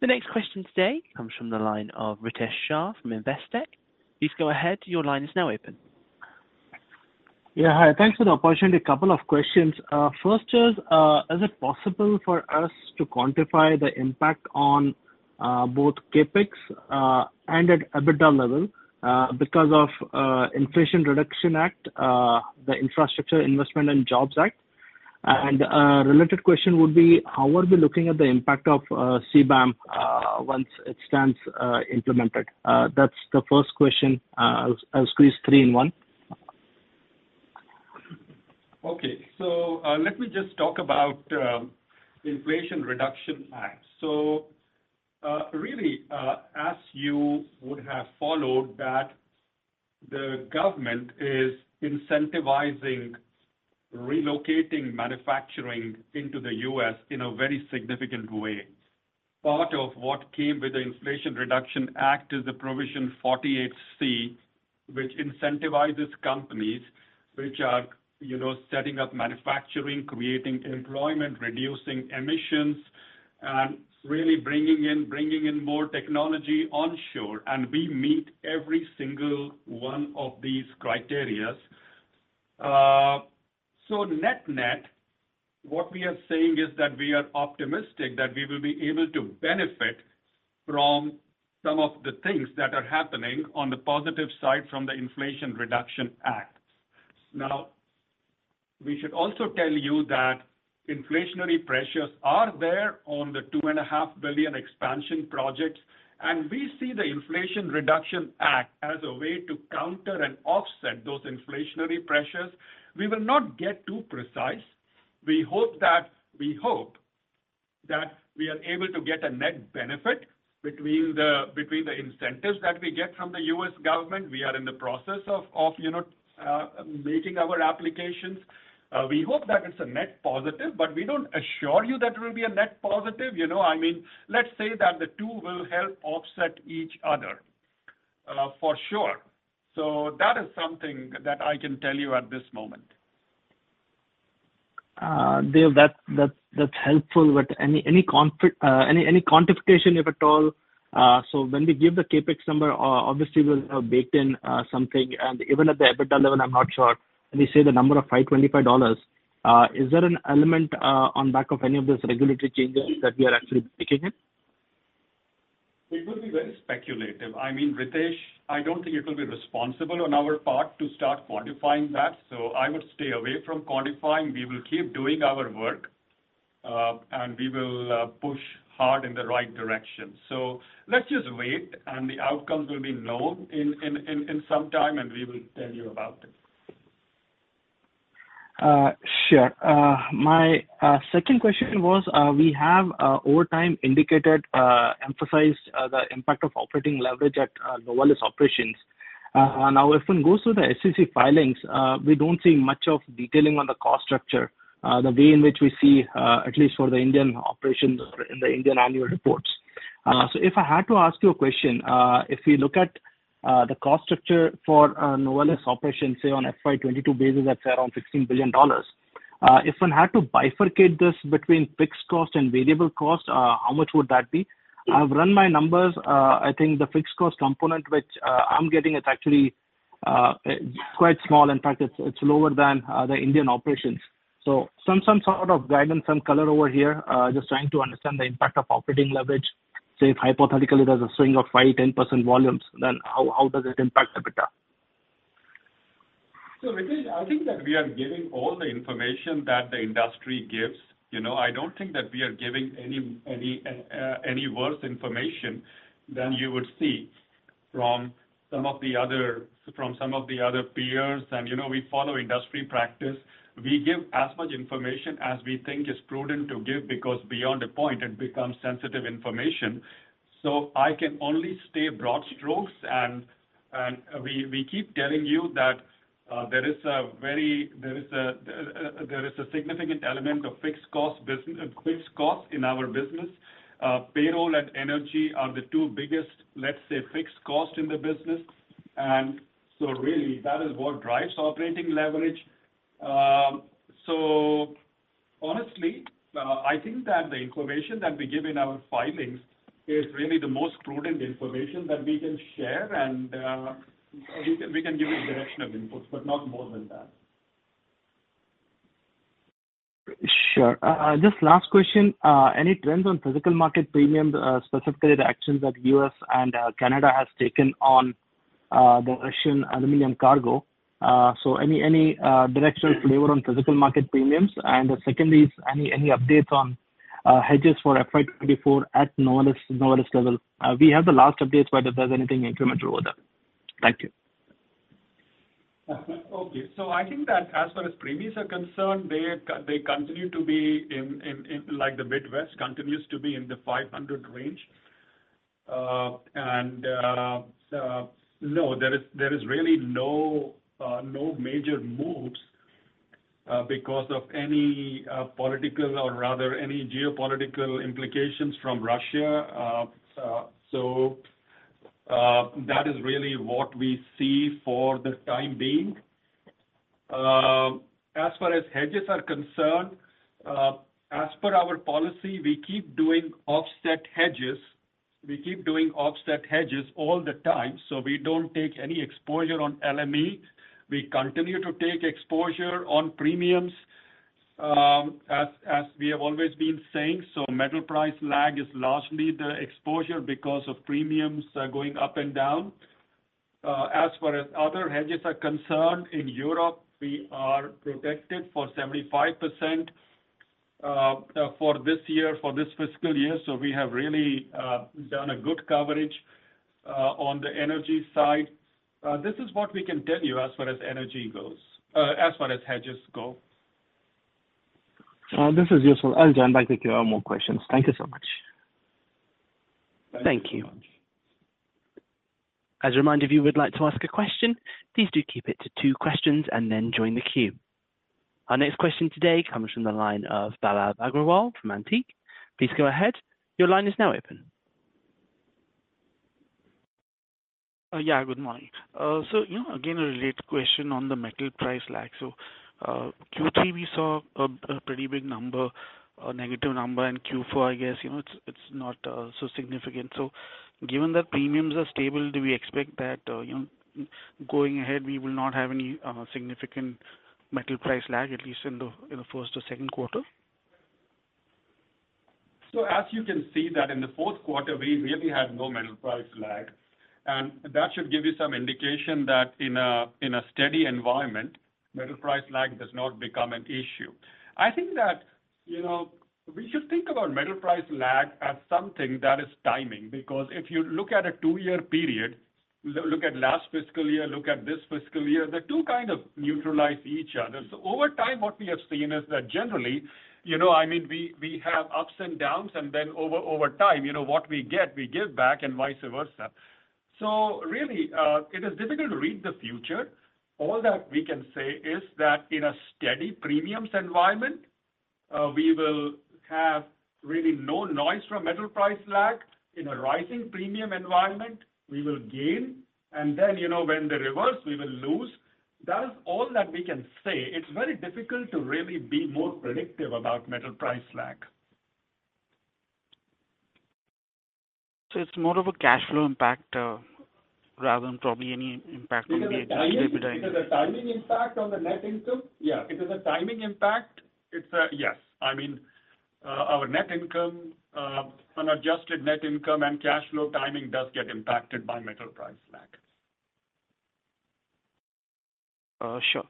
The next question today comes from the line of Ritesh Shah from Investec. Please go ahead. Your line is now open. Yeah, hi. Thanks for the opportunity. A couple of questions. First is it possible for us to quantify the impact on both CapEx and at EBITDA level because of Inflation Reduction Act, the Infrastructure Investment and Jobs Act? Related question would be, how are we looking at the impact of CBAM once it stands implemented? That's the first question. I'll squeeze three in one. Okay. Let me just talk about Inflation Reduction Act. Really, as you would have followed that the government is incentivizing relocating manufacturing into the U.S. in a very significant way. Part of what came with the Inflation Reduction Act is Section 48C, which incentivizes companies which are, you know, setting up manufacturing, creating employment, reducing emissions, and really bringing in more technology onshore, and we meet every single one of these criterias. Net-net, what we are saying is that we are optimistic that we will be able to benefit from some of the things that are happening on the positive side from the Inflation Reduction Act. We should also tell you that inflationary pressures are there on the two and a half billion expansion projects, and we see the Inflation Reduction Act as a way to counter and offset those inflationary pressures. We will not get too precise. We hope that we are able to get a net benefit between the incentives that we get from the U.S. government. We are in the process of, you know, making our applications. We hope that it's a net positive, but we don't assure you that it will be a net positive. You know, I mean, let's say that the two will help offset each other for sure. That is something that I can tell you at this moment. Dev, that's helpful. Any quantification, if at all, so when we give the CapEx number, obviously we'll have baked in something, and even at the EBITDA level, I'm not sure. When you say the number of $525, is there an element on back of any of those regulatory changes that we are actually baking in? It will be very speculative. I mean, Ritesh, I don't think it will be responsible on our part to start quantifying that, so I would stay away from quantifying. We will keep doing our work, and we will push hard in the right direction. Let's just wait, and the outcomes will be known in some time, and we will tell you about it. was, we have over time indicated, emphasized the impact of operating leverage at Novelis operations. Now, if one goes through the SEC filings, we don't see much of detailing on the cost structure, the way in which we see, at least for the Indian operations in the Indian annual reports. So if I had to ask you a question, if we look at the cost structure for Novelis operations, say, on FY 2022 basis, that's around $16 billion. If one had to bifurcate this between fixed cost and variable cost, how much would that be? I've run my numbers. I think the fixed cost component which I'm getting is actually quite small. In fact, it's lower than the Indian operations Some sort of guidance, some color over here, just trying to understand the impact of operating leverage. Say, if hypothetically, there's a swing of 5%, 10% volumes, then how does it impact EBITDA? Ritesh, I think that we are giving all the information that the industry gives. You know, I don't think that we are giving any worse information than you would see from some of the other peers. You know, we follow industry practice. We give as much information as we think is prudent to give, because beyond the point, it becomes sensitive information. I can only stay broad strokes, and we keep telling you that there is a significant element of fixed cost in our business. Payroll and energy are the two biggest, let's say, fixed costs in the business. Really, that is what drives our operating leverage. Honestly, I think that the information that we give in our filings is really the most prudent information that we can share, and we can give you directional inputs, but not more than that. Sure. Just last question. Any trends on physical market premiums, specifically the actions that U.S. and Canada has taken on the Russian aluminum cargo? So any directional flavor on physical market premiums? Secondly, is any updates on hedges for FY 2024 at Novelis level? We have the last updates, but if there's anything incremental with that. Thank you. Okay. I think that as far as premiums are concerned, they continue to be in, like the Midwest, continues to be in the $500 range. There is really no major moves because of any political or rather any geopolitical implications from Russia. That is really what we see for the time being. As far as hedges are concerned, as per our policy, we keep doing offset hedges all the time, we don't take any exposure on LME. We continue to take exposure on premiums, as we have always been saying. metal price lag is largely the exposure because of premiums going up and down. As far as other hedges are concerned, in Europe, we are protected for 75% for this year, for this fiscal year. We have really done a good coverage on the energy side. This is what we can tell you as far as energy goes, as far as hedges go. This is Yusuf. I'll join back if you have more questions. Thank you so much. Thank you. As a reminder, if you would like to ask a question, please do keep it to two questions and then join the queue. Our next question today comes from the line of Pallav Agarwal from Antique Stock Broking. Please go ahead. Your line is now open. Good morning. You know, again, a related question on the metal price lag. Q3, we saw a pretty big number, a negative number, and Q4, I guess, you know, it's not so significant. Given that premiums are stable, do we expect that, you know, going ahead, we will not have any significant metal price lag, at least in the first or second quarter? As you can see that in the fourth quarter, we really had no metal price lag, and that should give you some indication that in a steady environment, metal price lag does not become an issue. I think that, you know, we should think about metal price lag as something that is timing. Because if you look at a two-year period, look at last fiscal year, look at this fiscal year, the two kind of neutralize each other. Over time, what we have seen is that generally, you know, I mean, we have ups and downs, and then over time, you know, what we get, we give back and vice versa. Really, it is difficult to read the future. All that we can say is that in a steady premiums environment, we will have really no noise from metal price lag. In a rising premium environment, we will gain, and then, you know, when the reverse, we will lose. That is all that we can say. It's very difficult to really be more predictive about metal price lag. It's more of a cash flow impact, rather than probably any impact on. It is a timing impact on the net income? Yeah, it is a timing impact. It's a yes. I mean, our net income, unadjusted net income and cash flow timing does get impacted by metal price lag. Sure.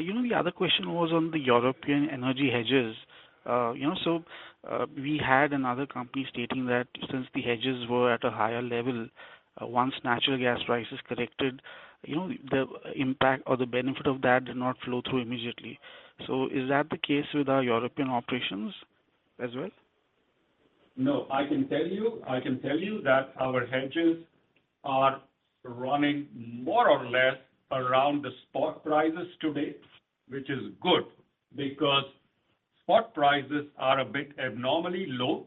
You know, the other question was on the European energy hedges. You know, we had another company stating that since the hedges were at a higher level, once natural gas prices corrected, you know, the impact or the benefit of that did not flow through immediately. Is that the case with our European operations as well? No, I can tell you, I can tell you that our hedges are running more or less around the spot prices today, which is good because spot prices are a bit abnormally low.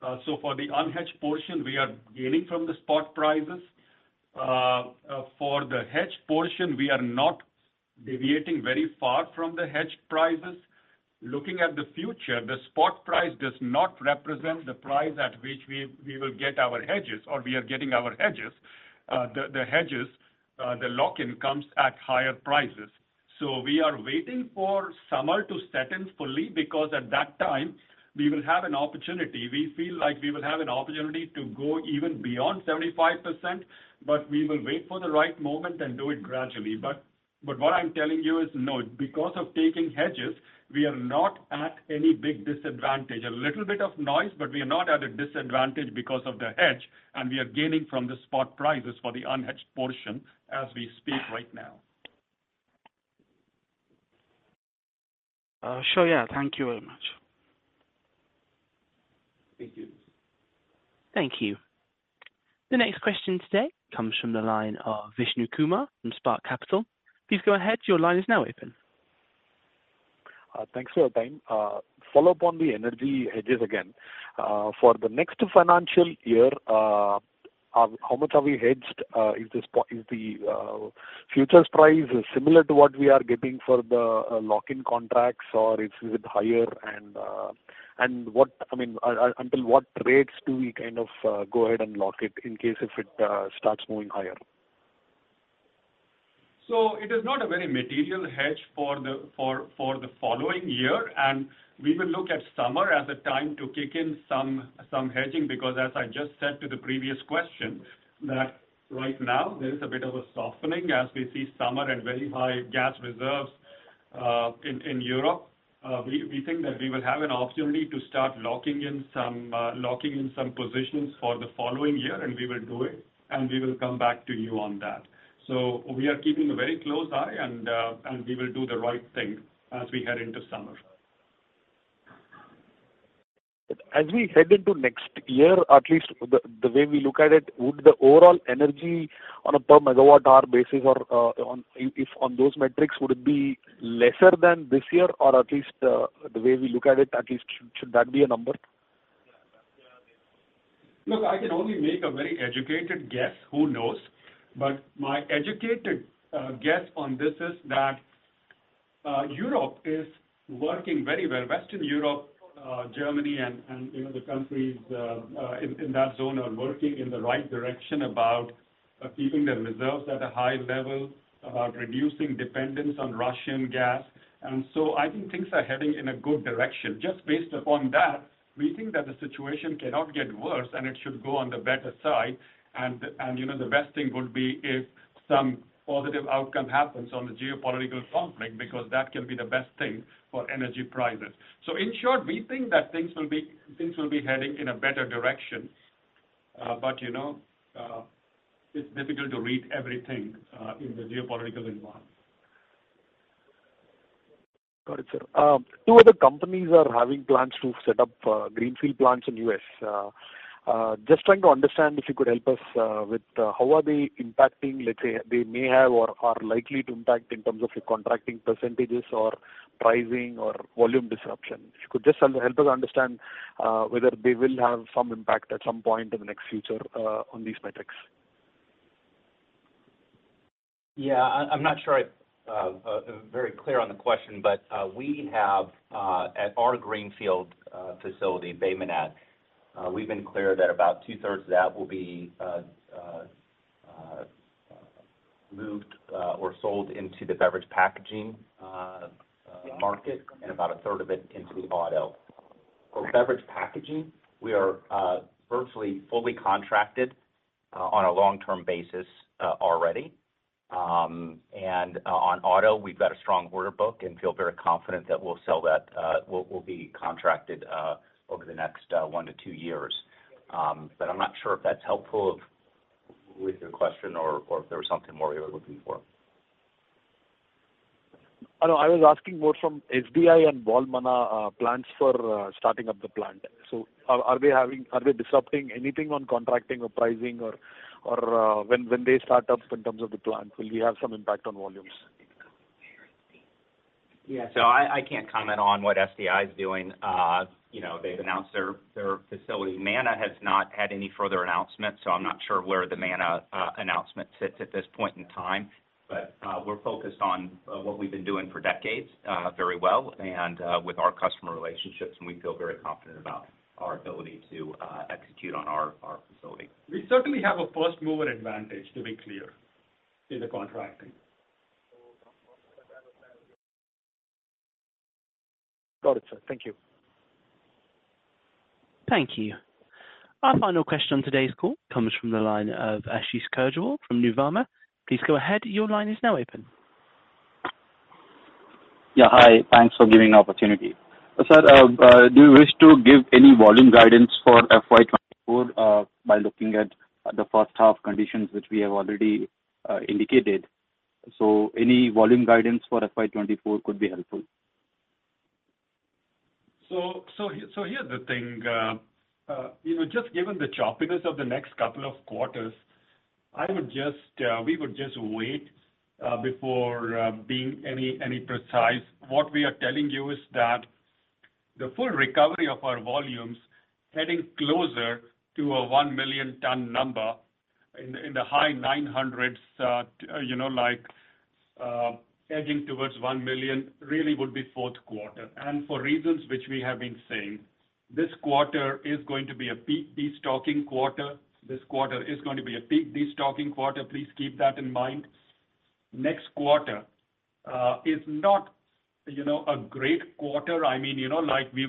For the unhedged portion, we are gaining from the spot prices. For the hedged portion, we are not deviating very far from the hedge prices. Looking at the future, the spot price does not represent the price at which we will get our hedges, or we are getting our hedges. The hedges, the lock-in comes at higher prices. We are waiting for summer to set in fully, because at that time, we will have an opportunity. We feel like we will have an opportunity to go even beyond 75%, but we will wait for the right moment and do it gradually. What I'm telling you is, no, because of taking hedges, we are not at any big disadvantage. A little bit of noise, but we are not at a disadvantage because of the hedge, and we are gaining from the spot prices for the unhedged portion as we speak right now. Sure, yeah. Thank you very much. Thank you. Thank you. The next question today comes from the line of Vishnu Kumar from Spark Capital. Please go ahead. Your line is now open. Thanks for your time. Follow up on the energy hedges again. For the next financial year, how much have you hedged? Is the futures price similar to what we are getting for the lock-in contracts, or is it higher? I mean, until what rates do we kind of go ahead and lock it in case if it starts moving higher? It is not a very material hedge for the following year, and we will look at summer as a time to kick in some hedging, because as I just said to the previous question, that right now there is a bit of a softening as we see summer and very high gas reserves in Europe. We think that we will have an opportunity to start locking in some positions for the following year, and we will do it, and we will come back to you on that. We are keeping a very close eye, and we will do the right thing as we head into summer. As we head into next year, at least the way we look at it, would the overall energy on a per megawatt hour basis or on, if on those metrics, would it be lesser than this year? At least the way we look at it, at least, should that be a number? Look, I can only make a very educated guess, who knows? My educated guess on this is that Europe is working very well. Western Europe, Germany and, you know, the countries in that zone are working in the right direction about keeping their reserves at a high level, about reducing dependence on Russian gas. I think things are heading in a good direction. Just based upon that, we think that the situation cannot get worse, and it should go on the better side. You know, the best thing would be if some positive outcome happens on the geopolitical conflict, because that can be the best thing for energy prices. In short, we think that things will be heading in a better direction, but, you know, it's difficult to read everything in the geopolitical environment. Got it, sir. Two other companies are having plans to set up greenfield plants in U.S. Just trying to understand, if you could help us with how are they impacting, let's say, they may have or are likely to impact in terms of your contracting percentages or pricing or volume disruption? If you could just help us understand whether they will have some impact at some point in the next future on these metrics? Yeah, I'm not sure I am very clear on the question, but we have at our greenfield facility, Bay Minette, we've been clear that about two-thirds of that will be moved or sold into the beverage packaging market, and about a third of it into the auto. For beverage packaging, we are virtually fully contracted on a long-term basis already. And on auto, we've got a strong order book and feel very confident that we'll sell that, will be contracted over the next one to two years. But I'm not sure if that's helpful with your question or if there was something more you were looking for. I know. I was asking more from SDI and Nucor plans for starting up the plant. Are they disrupting anything on contracting or pricing or when they start up in terms of the plant? Will we have some impact on volumes? Yeah. I can't comment on what SDI is doing. you know, they've announced their facility. Manna has not had any further announcements. I'm not sure where the Manna announcement sits at this point in time. We're focused on what we've been doing for decades very well and with our customer relationships, and we feel very confident about our ability to execute on our facility. We certainly have a first mover advantage, to be clear, in the contracting. Got it, sir. Thank you. Thank you. Our final question on today's call comes from the line of Ashish Kejriwal from Nuvama. Please go ahead. Your line is now open. Yeah, hi. Thanks for giving the opportunity. Sir, do you wish to give any volume guidance for FY 2024 by looking at the first half conditions, which we have already indicated? Any volume guidance for FY 2024 could be helpful. Here's the thing, you know, just given the choppiness of the next couple of quarters, I would just, we would just wait before being any precise. What we are telling you is that the full recovery of our volumes heading closer to a 1 million ton number in the high 900s, you know, like, edging towards 1 million, really would be fourth quarter. For reasons which we have been saying, this quarter is going to be a peak destocking quarter. Please keep that in mind. Next quarter is not, you know, a great quarter. I mean, you know, like, we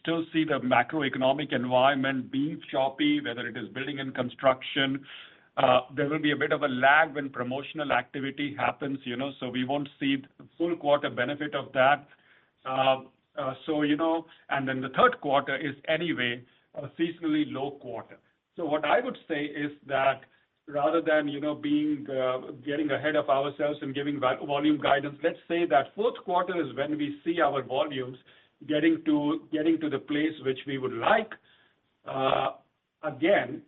still see the macroeconomic environment being choppy, whether it is building and construction. There will be a bit of a lag when promotional activity happens, you know, so we won't see the full quarter benefit of that. You know, the third quarter is, anyway, a seasonally low quarter. What I would say is that rather than, you know, being, getting ahead of ourselves and giving volume guidance, let's say that fourth quarter is when we see our volumes getting to the place which we would like. Again,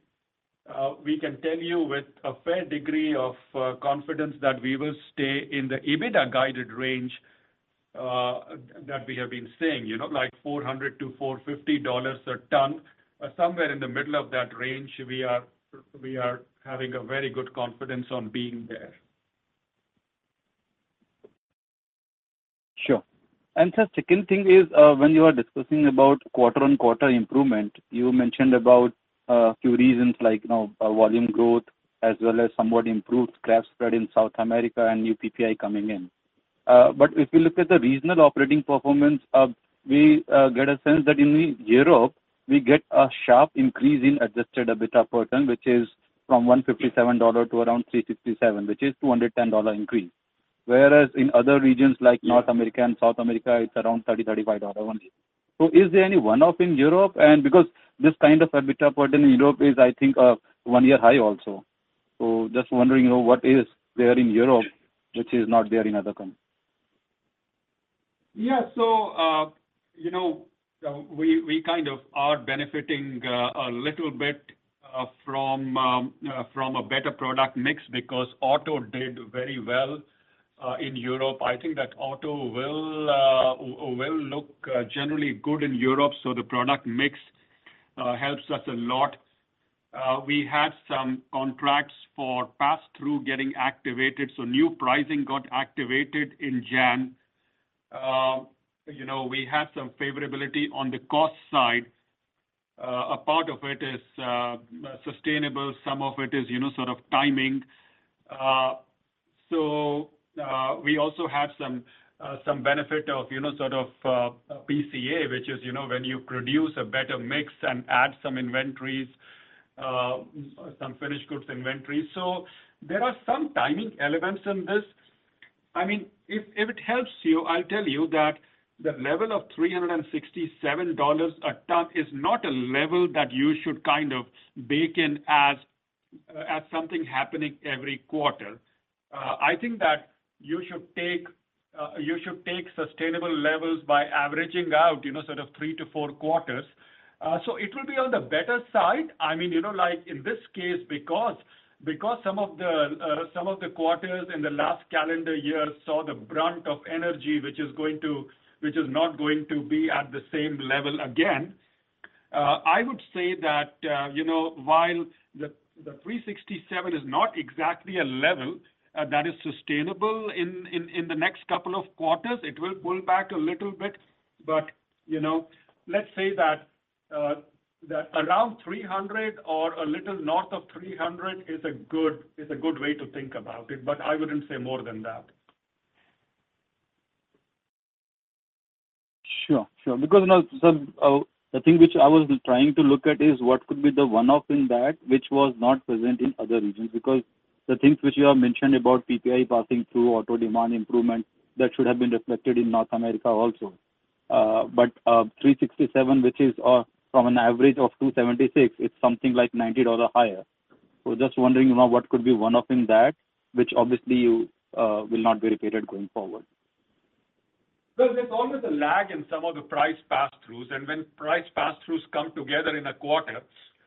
we can tell you with a fair degree of confidence that we will stay in the EBITDA guided range that we have been saying, you know, like $400-$450 a ton. Somewhere in the middle of that range, we are having a very good confidence on being there. Sure. The second thing is, when you are discussing about quarter-on-quarter improvement, you mentioned about two reasons like, you know, volume growth as well as somewhat improved scrap spread in South America and new PPI coming in. If you look at the regional operating performance, we get a sense that in Europe, we get a sharp increase in Adjusted EBITDA per ton, which is from $157 to around $367, which is $210 increase. Whereas in other regions, like North America and South America, it's around $30-$35 only. Is there any one-off in Europe? Because this kind of EBITDA per ton in Europe is, I think, a one-year high also. Just wondering, you know, what is there in Europe which is not there in other countries? You know, we kind of are benefiting a little bit from from a better product mix because auto did very well in Europe. I think that auto will will look generally good in Europe, so the product mix helps us a lot. We had some contracts for pass-through getting activated, so new pricing got activated in Jan. You know, we had some favorability on the cost side. A part of it is sustainable, some of it is, you know, sort of timing. We also have some some benefit of, you know, sort of PCA, which is, you know, when you produce a better mix and add some inventories, some finished goods inventory. So there are some timing elements in this. I mean, if it helps you, I'll tell you that the level of $367 a ton is not a level that you should kind of bake in as something happening every quarter. I think that you should take sustainable levels by averaging out, you know, sort of three to four quarters. It will be on the better side. I mean, you know, like, in this case, because some of the quarters in the last calendar year saw the brunt of energy, which is not going to be at the same level again. I would say that, you know, while the 367 is not exactly a level that is sustainable in the next couple of quarters, it will pull back a little bit. You know, let's say that around 300 or a little north of 300 is a good, is a good way to think about it, but I wouldn't say more than that. Sure. Sure, the thing which I was trying to look at is what could be the one-off in that which was not present in other regions? The things which you have mentioned about PPI passing through automotive build rates improvement, that should have been reflected in North America also. 367, which is from an average of 276, it's something like $90 higher. Just wondering, you know, what could be one-off in that, which obviously will not be repeated going forward? Well, there's always a lag in some of the price pass-throughs, and when price pass-throughs come together in a quarter,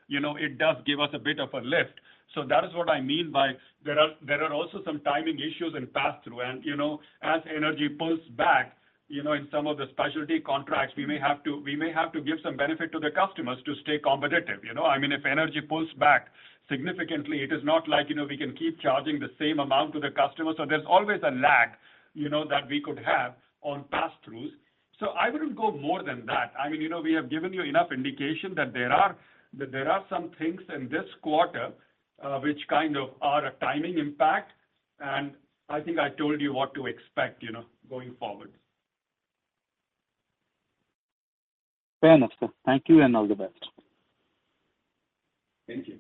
you know, it does give us a bit of a lift. That is what I mean by there are also some timing issues in pass-through. You know, as energy pulls back, you know, in some of the specialty contracts, we may have to give some benefit to the customers to stay competitive, you know. I mean, if energy pulls back significantly, it is not like, you know, we can keep charging the same amount to the customer. There's always a lag, you know, that we could have on pass-throughs. I wouldn't go more than that. I mean, you know, we have given you enough indication that there are some things in this quarter, which kind of are a timing impact, and I think I told you what to expect, you know, going forward. Fair enough, sir. Thank you and all the best. Thank you.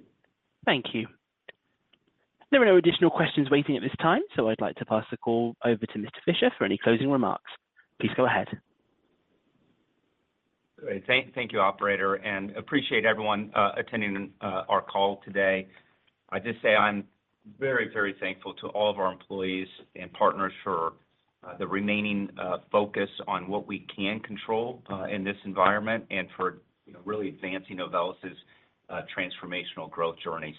Thank you. There are no additional questions waiting at this time, so I'd like to pass the call over to Mr. Fisher for any closing remarks. Please go ahead. Great. Thank you, operator, appreciate everyone attending our call today. I just say I'm very thankful to all of our employees and partners for the remaining focus on what we can control in this environment and for, you know, really advancing Novelis's transformational growth journey.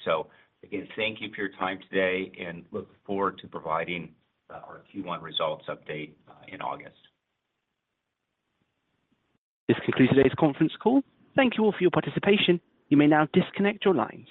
Again, thank you for your time today, and look forward to providing our Q1 results update in August. This concludes today's conference call. Thank you all for your participation. You may now disconnect your lines.